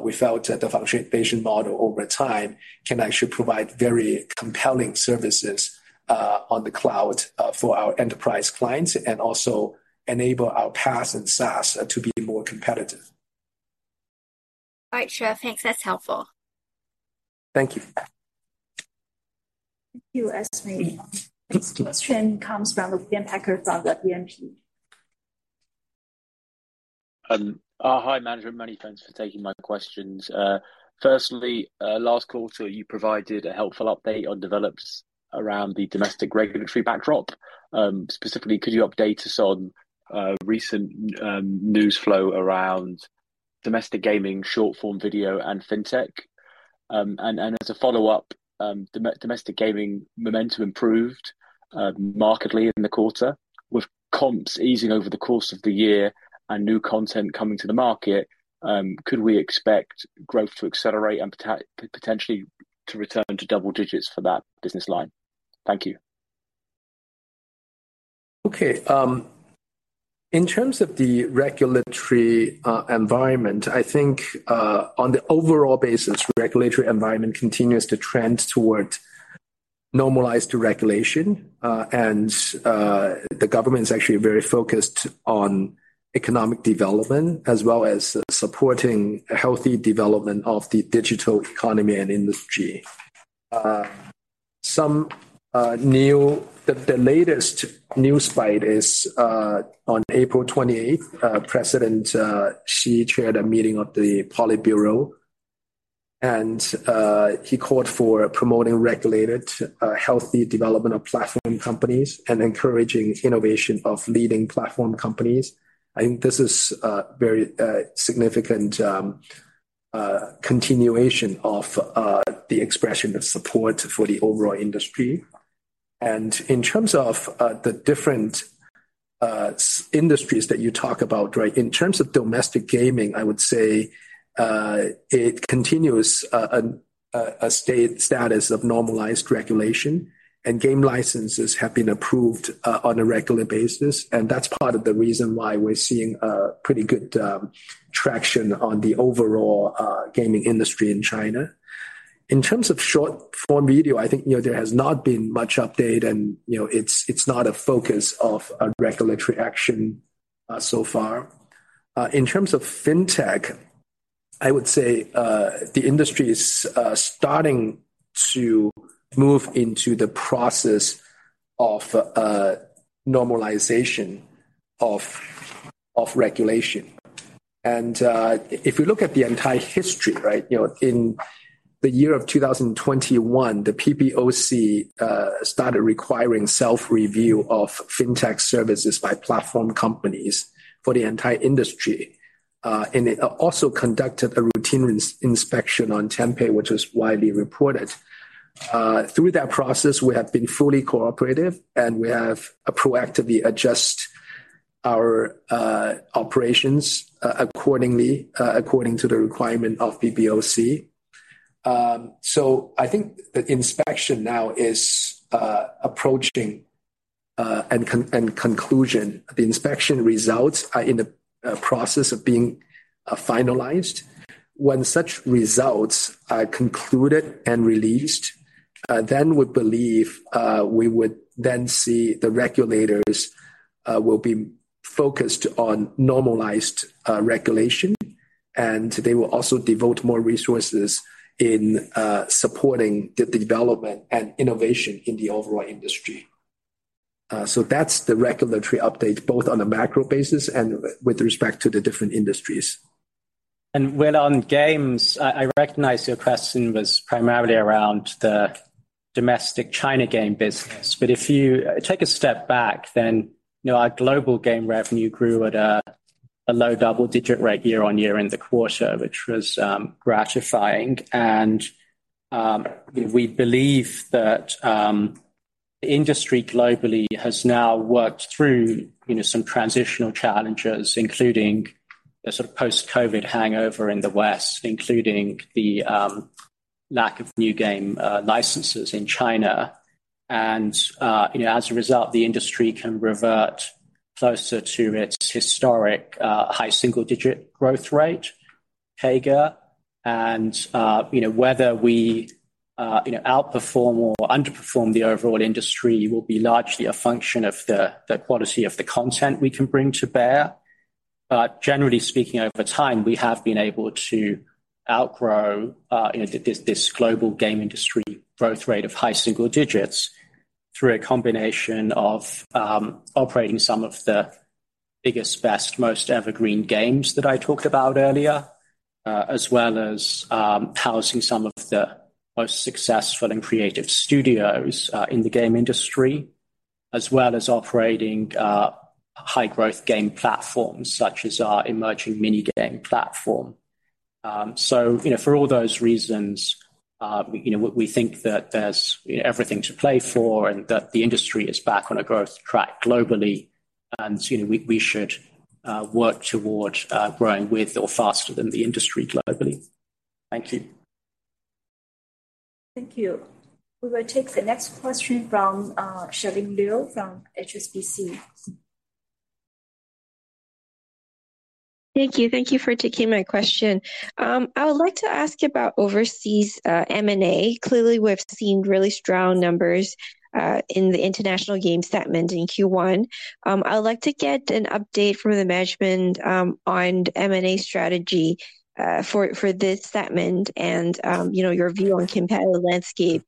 we felt that the foundation model over time can actually provide very compelling services on the cloud for our enterprise clients, and also enable our PaaS and SaaS to be more competitive. All right, sure. Thanks. That's helpful. Thank you. Thank you, Esme. Next question comes from William Packer from BNP. Hi, management. Many thanks for taking my questions. Firstly, last quarter you provided a helpful update on develops around the domestic regulatory backdrop. Specifically, could you update us on recent news flow around domestic gaming, short-form video and fintech? As a follow-up, domestic gaming momentum improved markedly in the quarter. With comps easing over the course of the year and new content coming to the market, could we expect growth to accelerate and potentially to return to double digits for that business line? Thank you. Okay. In terms of the regulatory environment, on the overall basis, regulatory environment continues to trend towards normalized regulation. The government is actually very focused on economic development as well as supporting a healthy development of the digital economy and industry. The latest news bite is on April 28, President Xi chaired a meeting of the Politburo, he called for promoting regulated, healthy development of platform companies and encouraging innovation of leading platform companies. This is a very significant continuation of the expression of support for the overall industry. In terms of the different industries that you talk about, right? In terms of domestic gaming, I would say, it continues a status of normalized regulation, and game licenses have been approved on a regular basis. That's part of the reason why we're seeing pretty good traction on the overall gaming industry in China. In terms of short-form video, I think, you know, there has not been much update and, you know, it's not a focus of a regulatory action so far. In terms of fintech, I would say, the industry is starting to move into the process of normalization of regulation. If you look at the entire history, right? You know, in the year of 2021, the PBOC started requiring self-review of fintech services by platform companies for the entire industry. It also conducted a routine inspection on Tenpay, which was widely reported. Through that process, we have been fully cooperative, we have proactively adjust our operations accordingly, according to the requirement of PBOC. I think the inspection now is approaching and conclusion. The inspection results are in the process of being finalized. When such results are concluded and released, we believe we would then see the regulators will be focused on normalized regulation. They will also devote more resources in supporting the development and innovation in the overall industry. That's the regulatory update, both on a macro basis and with respect to the different industries. Well, on games, I recognize your question was primarily around the domestic China game business. If you take a step back, then, you know, our global game revenue grew at a low double-digit rate year-on-year in the quarter, which was gratifying. We believe that the industry globally has now worked through, you know, some transitional challenges, including the sort of post-COVID hangover in the West, including the lack of new game licenses in China. You know, as a result, the industry can revert closer to its historic high single-digit growth rate, CAGR. And, you know, whether we, you know, outperform or underperform the overall industry will be largely a function of the quality of the content we can bring to bear. Generally speaking, over time, we have been able to outgrow, you know, this global game industry growth rate of high single digits through a combination of operating some of the biggest, best, most Evergreen games that I talked about earlier, as well as housing some of the most successful and creative studios in the game industry, as well as operating high-growth game platforms such as our emerging mini-game platform. You know, for all those reasons, you know, we think that there's, you know, everything to play for and that the industry is back on a growth track globally. You know, we should work towards growing with or faster than the industry globally. Thank you. Thank you. We will take the next question from Charlene Liu from HSBC. Thank you. Thank you for taking my question. I would like to ask about overseas M&A. Clearly, we've seen really strong numbers in the international game statement in Q1. I would like to get an update from the management on M&A strategy for this statement and, you know, your view on competitive landscape,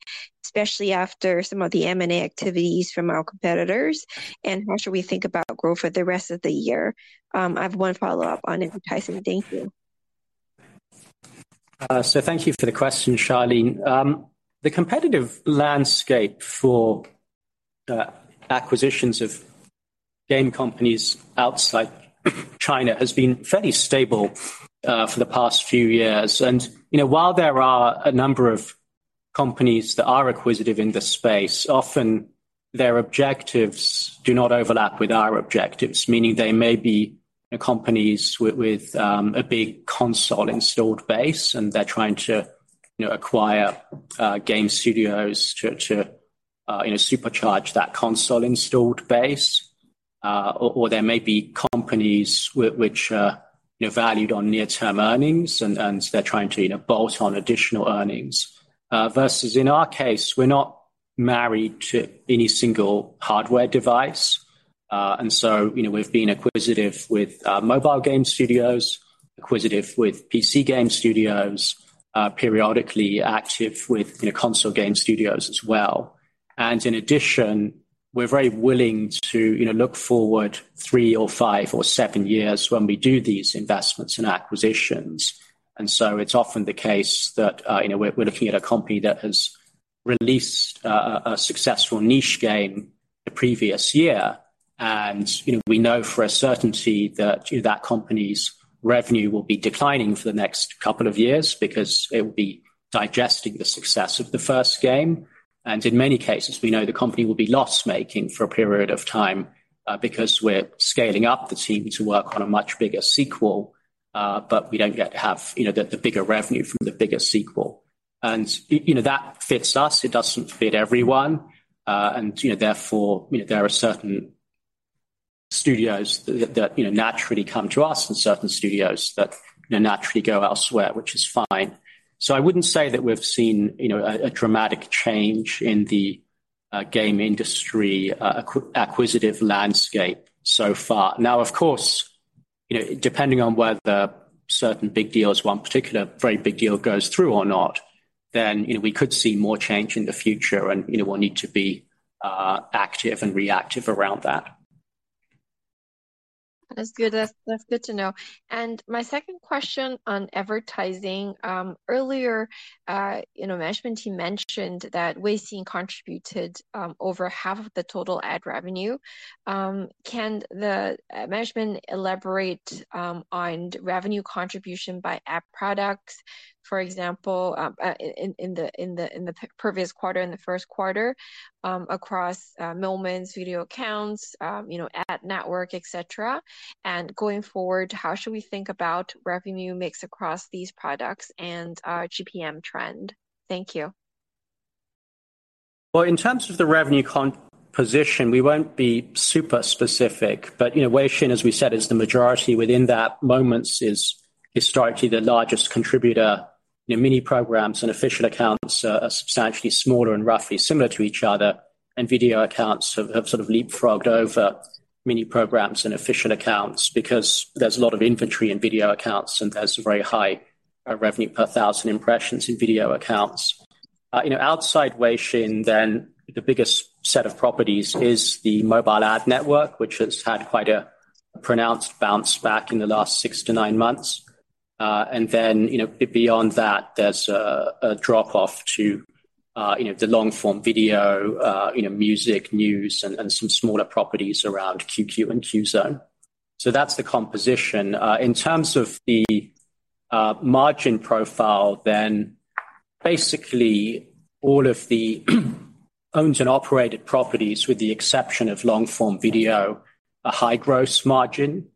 especially after some of the M&A activities from our competitors. How should we think about growth for the rest of the year? I have one follow-up on advertising. Thank you. Thank you for the question, Charlene. The competitive landscape for acquisitions of game companies outside China has been fairly stable for the past few years. You know, while there are a number of companies that are acquisitive in this space, often their objectives do not overlap with our objectives. Meaning they may be companies with a big console installed base, and they're trying to, you know, acquire game studios to, you know, supercharge that console installed base. Or there may be companies which are, you know, valued on near-term earnings, and so they're trying to, you know, bolt on additional earnings. Versus in our case, we're not married to any single hardware device. You know, we've been acquisitive with mobile game studios, acquisitive with PC game studios, periodically active with, you know, console game studios as well. In addition, we're very willing to, you know, look forward three or five or seven years when we do these investments and acquisitions. It's often the case that, you know, we're looking at a company that has released a successful niche game the previous year. You know, we know for a certainty that company's revenue will be declining for the next couple of years because it will be digesting the success of the first game. In many cases, we know the company will be loss-making for a period of time because we're scaling up the team to work on a much bigger sequel, but we don't yet have, you know, the bigger revenue from the bigger sequel. You know, that fits us. It doesn't fit everyone. You know, therefore, you know, there are certain studios that, you know, naturally come to us and certain studios that, you know, naturally go elsewhere, which is fine. I wouldn't say that we've seen, you know, a dramatic change in the game industry acquisitive landscape so far. Of course, you know, depending on whether certain big deals, one particular very big deal goes through or not, then, you know, we could see more change in the future and, you know, we'll need to be active and reactive around that. That's good. That's good to know. My second question on advertising. Earlier, you know, management team mentioned that Weixin contributed over half of the total ad revenue. Can the management elaborate on revenue contribution by app products? For example, in the pre-previous quarter, in the first quarter, across Moments, Video Accounts, you know, ad network, et cetera. Going forward, how should we think about revenue mix across these products and GPM trend? Thank you. Well, in terms of the revenue composition, we won't be super specific. You know, Weixin, as we said, is the majority within that. Moments is historically the largest contributor. You know, Mini Programs and Official Accounts are substantially smaller and roughly similar to each other. Video Accounts have sort of leapfrogged over Mini Programs and Official Accounts because there's a lot of inventory in Video Accounts, and there's very high revenue per thousand impressions in Video Accounts. You know, outside Weixin, the biggest set of properties is the mobile ad network, which has had quite a pronounced bounce back in the last six to nine months. You know, beyond that, there's a drop-off to you know, the long-form video, you know, music, news, and some smaller properties around QQ and QZone. That's the composition. In terms of the margin profile, then basically all of the owned and operated properties, with the exception of long-form video, are high gross margin,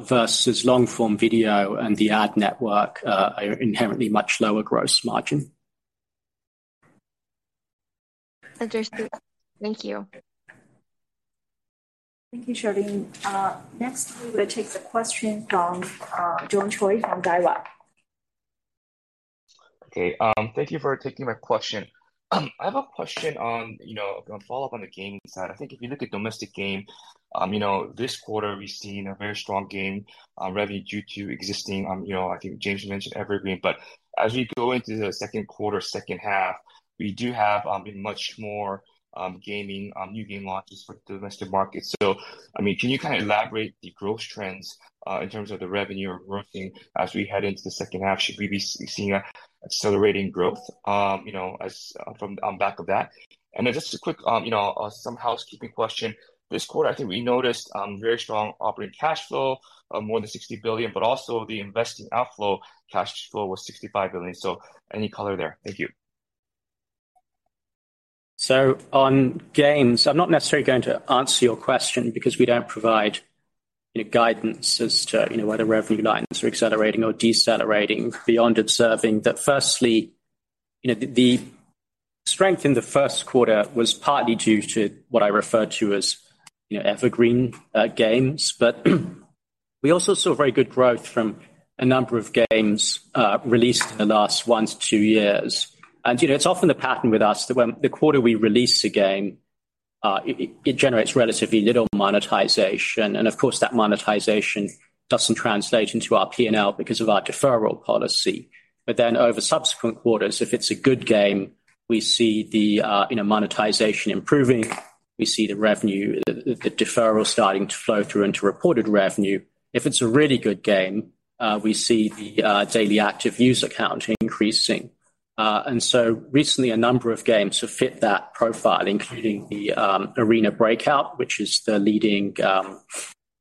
versus long-form video and the ad network, are inherently much lower gross margin. Understood. Thank you. Thank you, Charlene. Next we will take the question from, John Choi from Daiwa. Okay. Thank you for taking my question. I have a question on, you know, on follow-up on the gaming side. I think if you look at domestic game, you know, this quarter we've seen a very strong game revenue due to existing, you know, I think James mentioned Evergreen. As we go into the second quarter, second half, we do have a much more gaming new game launches for domestic markets. I mean, can you kind of elaborate the growth trends in terms of the revenue or growth thing as we head into the second half? Should we be seeing accelerating growth, you know, as from on back of that? Just a quick, you know, some housekeeping question. This quarter, I think we noticed, very strong operating cash flow of more than 60 billion, but also the investing outflow cash flow was 65 billion. Any color there? Thank you. On games, I'm not necessarily going to answer your question because we don't provide, you know, guidance as to, you know, whether revenue lines are accelerating or decelerating beyond observing that firstly, you know, the strength in the first quarter was partly due to what I refer to as, you know, Evergreen games. We also saw very good growth from a number of games released in the last one to two years. You know, it's often the pattern with us that when the quarter we release a game, it generates relatively little monetization. Of course, that monetization doesn't translate into our P&L because of our deferral policy. Over subsequent quarters, if it's a good game, we see the, you know, monetization improving. We see the revenue, the deferral starting to flow through into reported revenue. If it's a really good game, we see the daily active user count increasing. Recently a number of games have fit that profile, including the Arena Breakout, which is the leading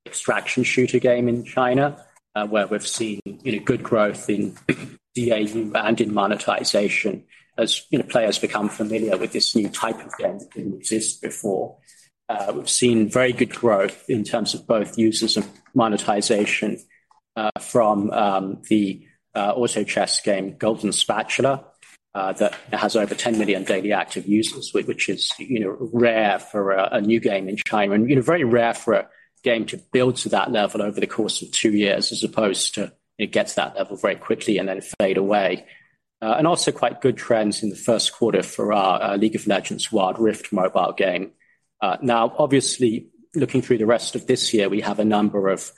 extraction shooter game in China, where we've seen, you know, good growth in DAU and in monetization as, you know, players become familiar with this new type of game that didn't exist before. We've seen very good growth in terms of both users and monetization, from the auto chess game, Golden Spatula, that has over 10 million daily active users, which is, you know, rare for a new game in China. Very rare for a game to build to that level over the course of two years, as opposed to it gets that level very quickly and then fade away. Also quite good trends in the first quarter for our League of Legends: Wild Rift mobile game. Now, obviously, looking through the rest of this year, we have a number of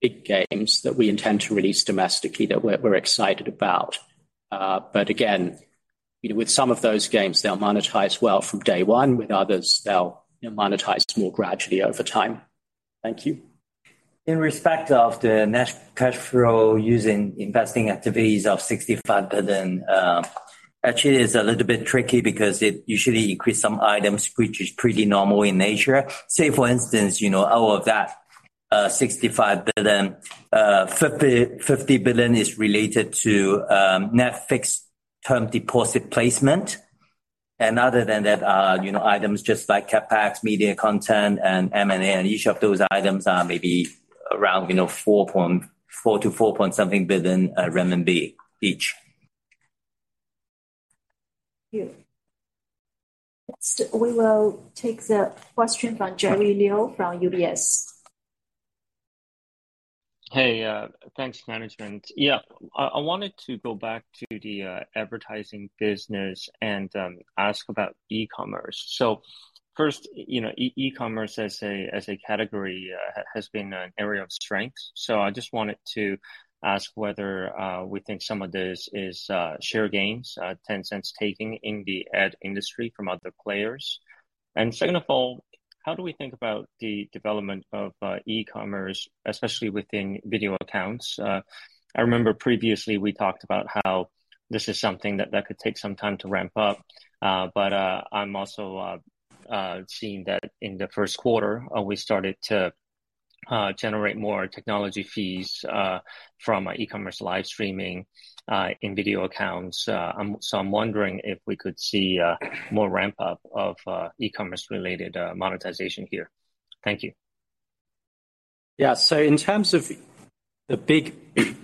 big games that we intend to release domestically that we're excited about. Again, you know, with some of those games, they'll monetize well from day one. With others, they'll, you know, monetize more gradually over time. Thank you. In respect of the net cash flow using investing activities of 65 billion, actually is a little bit tricky because it usually increase some items which is pretty normal in nature. Say, for instance, you know, out of that, 65 billion, 50 billion is related to net fixed term deposit placement. Other than that, you know, items just like CapEx, media content, and M&A, and each of those items are maybe around, you know, 4 billion-4 point something billion each. Thank you. Next, we will take the question from Jerry Liu from UBS. Hey. Thanks management. Yeah. I wanted to go back to the advertising business and ask about e-commerce. First, you know, e-commerce as a category has been an area of strength. I just wanted to ask whether we think some of this is share gains Tencent's taking in the ad industry from other players. Second of all, how do we think about the development of e-commerce, especially within Video Accounts? I remember previously we talked about how this is something that could take some time to ramp up. I'm also seeing that in the first quarter, we started to generate more technology fees from e-commerce live streaming in Video Accounts. I'm wondering if we could see more ramp up of e-commerce related monetization here. Thank you. Yeah. In terms of the big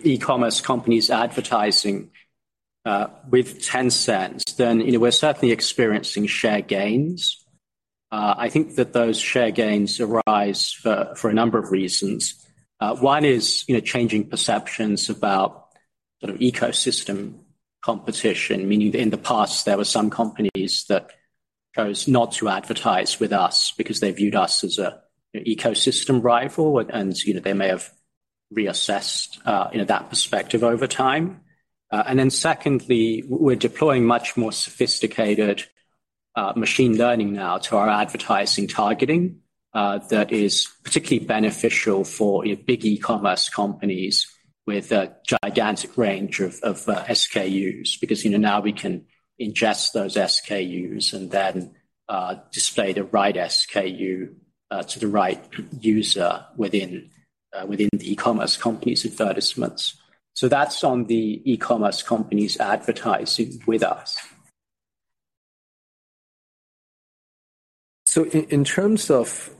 e-commerce companies advertising with Tencent, we're certainly experiencing share gains. I think that those share gains arise for a number of reasons. One is, changing perceptions about sort of ecosystem competition. Meaning in the past, there were some companies that chose not to advertise with us because they viewed us as a, you know, ecosystem rival. They may have reassessed, you know, that perspective over time. Secondly, we're deploying much more sophisticated machine learning now to our advertising targeting that is particularly beneficial for, you know, big e-commerce companies with a gigantic range of SKUs. You know, now we can ingest those SKUs and then display the right SKU to the right user within the e-commerce company's advertisements. That's on the e-commerce companies advertising with us. In terms of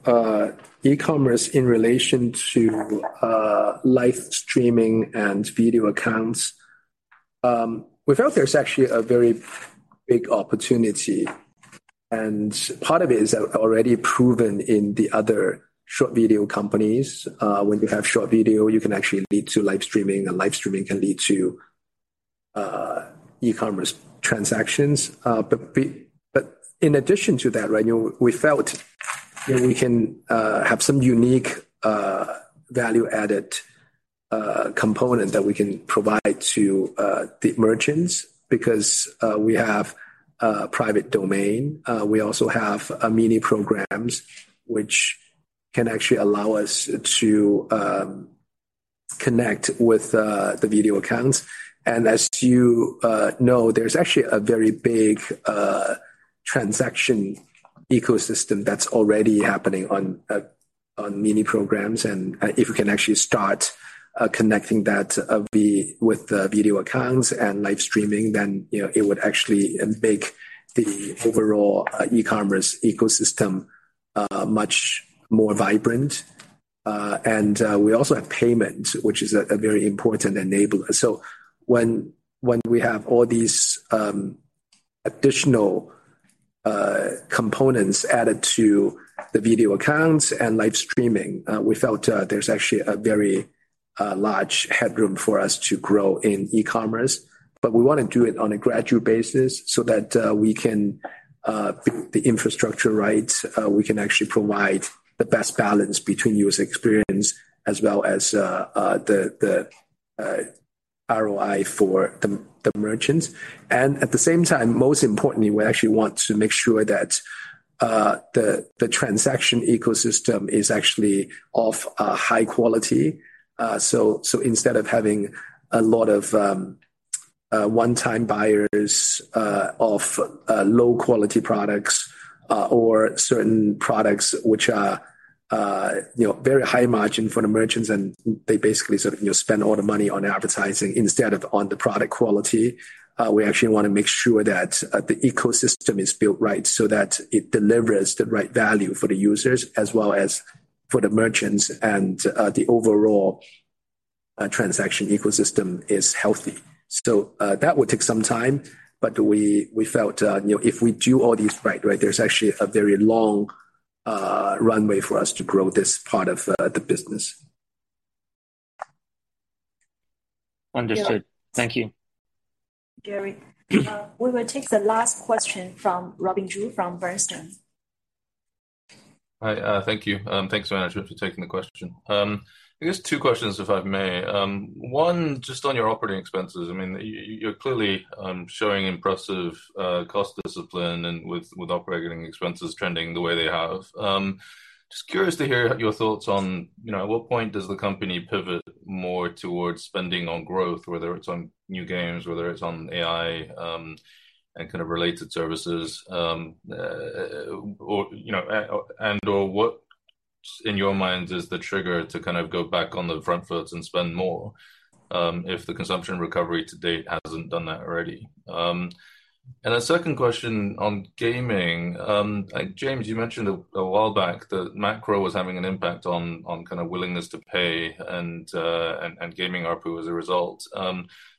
e-commerce in relation to live streaming and Video Accounts, we felt there's actually a very big opportunity. Part of it is already proven in the other short video companies. When you have short video, you can actually lead to live streaming, live streaming can lead to e-commerce transactions. But in addition to that, right, you know, we felt that we can have some unique value-added component that we can provide to the merchants because we have a private domain. We also have Mini Programs which can actually allow us to connect with the Video Accounts. As you know, there's actually a very big transaction ecosystem that's already happening on Mini Programs. If we can actually start connecting that with the Video Accounts and live streaming, you know, it would actually make the overall e-commerce ecosystem much more vibrant. We also have payment, which is a very important enabler. When we have all these additional components added to the Video Accounts and live streaming, we felt there's actually a very large headroom for us to grow in e-commerce. We want to do it on a gradual basis so that we can build the infrastructure right. We can actually provide the best balance between user experience as well as the ROI for the merchants. At the same time, most importantly, we actually want to make sure that the transaction ecosystem is actually of high quality. Instead of having a lot of one-time buyers of low-quality products or certain products which are, you know, very high margin for the merchants and they basically sort of, you know, spend all the money on advertising instead of on the product quality, we actually want to make sure that the ecosystem is built right so that it delivers the right value for the users as well as for the merchants and the overall transaction ecosystem is healthy. That will take some time, but we felt, you know, if we do all these right, there's actually a very long runway for us to grow this part of the business. Understood. Thank you. Gary. We will take the last question from Robin Zhu from Bernstein. Hi. Thank you, and thanks very much for taking the question. I guess two questions, if I may. One just on your operating expenses. I mean, you're clearly showing impressive cost discipline and with operating expenses trending the way they have. Just curious to hear your thoughts on, you know, at what point does the company pivot more towards spending on growth, whether it's on new games, whether it's on AI, and kind of related services, or, you know, and/or what in your mind is the trigger to kind of go back on the front foot and spend more, if the consumption recovery to date hasn't done that already? A second question on gaming. James, you mentioned a while back that macro was having an impact on kind of willingness to pay and gaming ARPU as a result.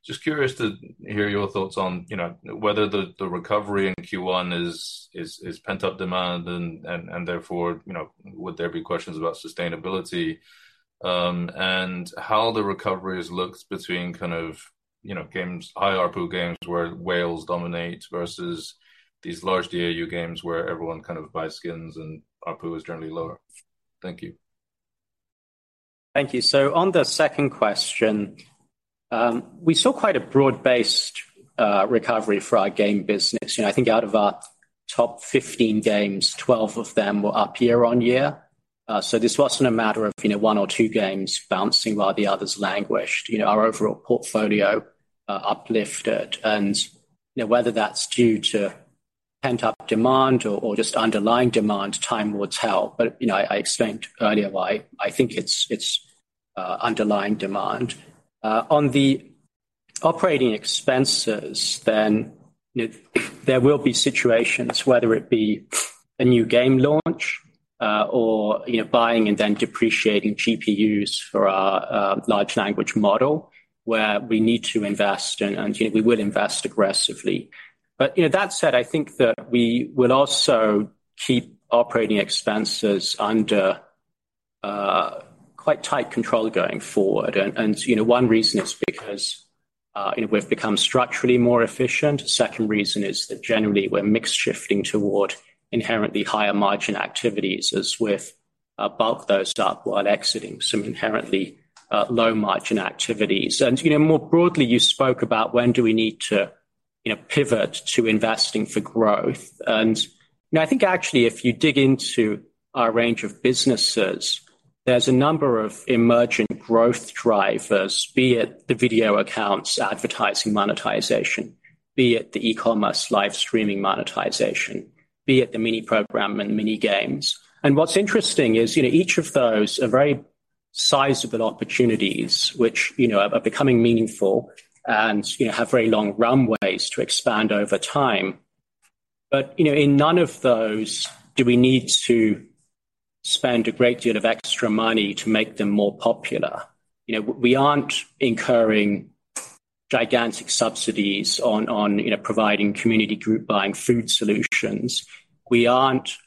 Just curious to hear your thoughts on, you know, whether the recovery in Q1 is pent-up demand and therefore, you know, would there be questions about sustainability, and how the recovery looks between kind of, you know, games, high ARPU games where whales dominate versus these large DAU games where everyone kind of buys skins and ARPU is generally lower? Thank you. Thank you. On the second question, we saw quite a broad-based recovery for our game business. You know, I think out of our top 15 games, 12 of them were up year-on-year. This wasn't a matter of, you know, one or two games bouncing while the others languished. You know, our overall portfolio uplifted. You know, whether that's due to pent-up demand or just underlying demand, time will tell. You know, I explained earlier why I think it's underlying demand. On the operating expenses then, you know, there will be situations, whether it be a new game launch, or, you know, buying and then depreciating GPUs for our large language model, where we need to invest, and we will invest aggressively. You know, that said, I think that we will also keep operating expenses under quite tight control going forward. You know, one reason is because, you know, we've become structurally more efficient. Second reason is that generally we're mix shifting toward inherently higher margin activities as we're bulk those up while exiting some inherently low margin activities. You know, more broadly, you spoke about when do we need to, you know, pivot to investing for growth. You know, I think actually if you dig into our range of businesses, there's a number of emergent growth drivers, be it the Video Accounts, advertising monetization, be it the e-commerce live streaming monetization, be it the Mini Program and Mini Games. What's interesting is, you know, each of those are very sizable opportunities which, you know, are becoming meaningful and, you know, have very long runways to expand over time. You know, in none of those do we need to spend a great deal of extra money to make them more popular. You know, we aren't incurring gigantic subsidies on, you know, providing community group buying food solutions. We aren't,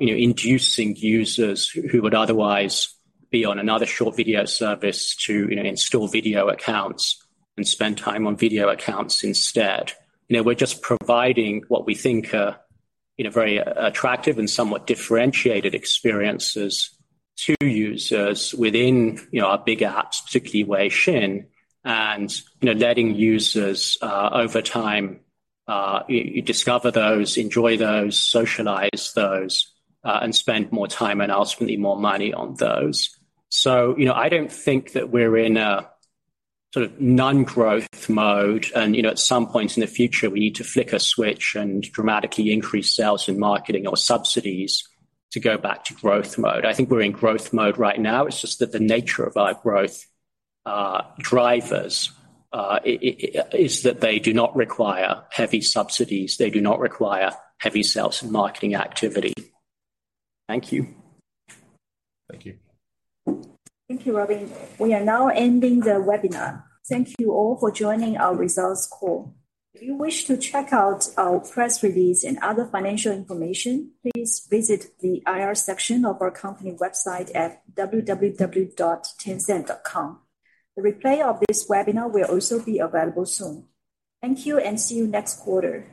you know, inducing users who would otherwise be on another short video service to, you know, install Video Accounts and spend time on Video Accounts instead. You know, we're just providing what we think are, you know, very attractive and somewhat differentiated experiences to users within, you know, our bigger apps, particularly Weixin. You know, letting users, over time, discover those, enjoy those, socialize those, and spend more time and ultimately more money on those. You know, I don't think that we're in a sort of non-growth mode and, you know, at some point in the future, we need to flick a switch and dramatically increase sales and marketing or subsidies to go back to growth mode. I think we're in growth mode right now. It's just that the nature of our growth drivers is that they do not require heavy subsidies. They do not require heavy sales and marketing activity. Thank you. Thank you. Thank you, Robin. We are now ending the webinar. Thank you all for joining our results call. If you wish to check out our press release and other financial information, please visit the IR section of our company website at www.tencent.com. The replay of this webinar will also be available soon. Thank you, and see you next quarter.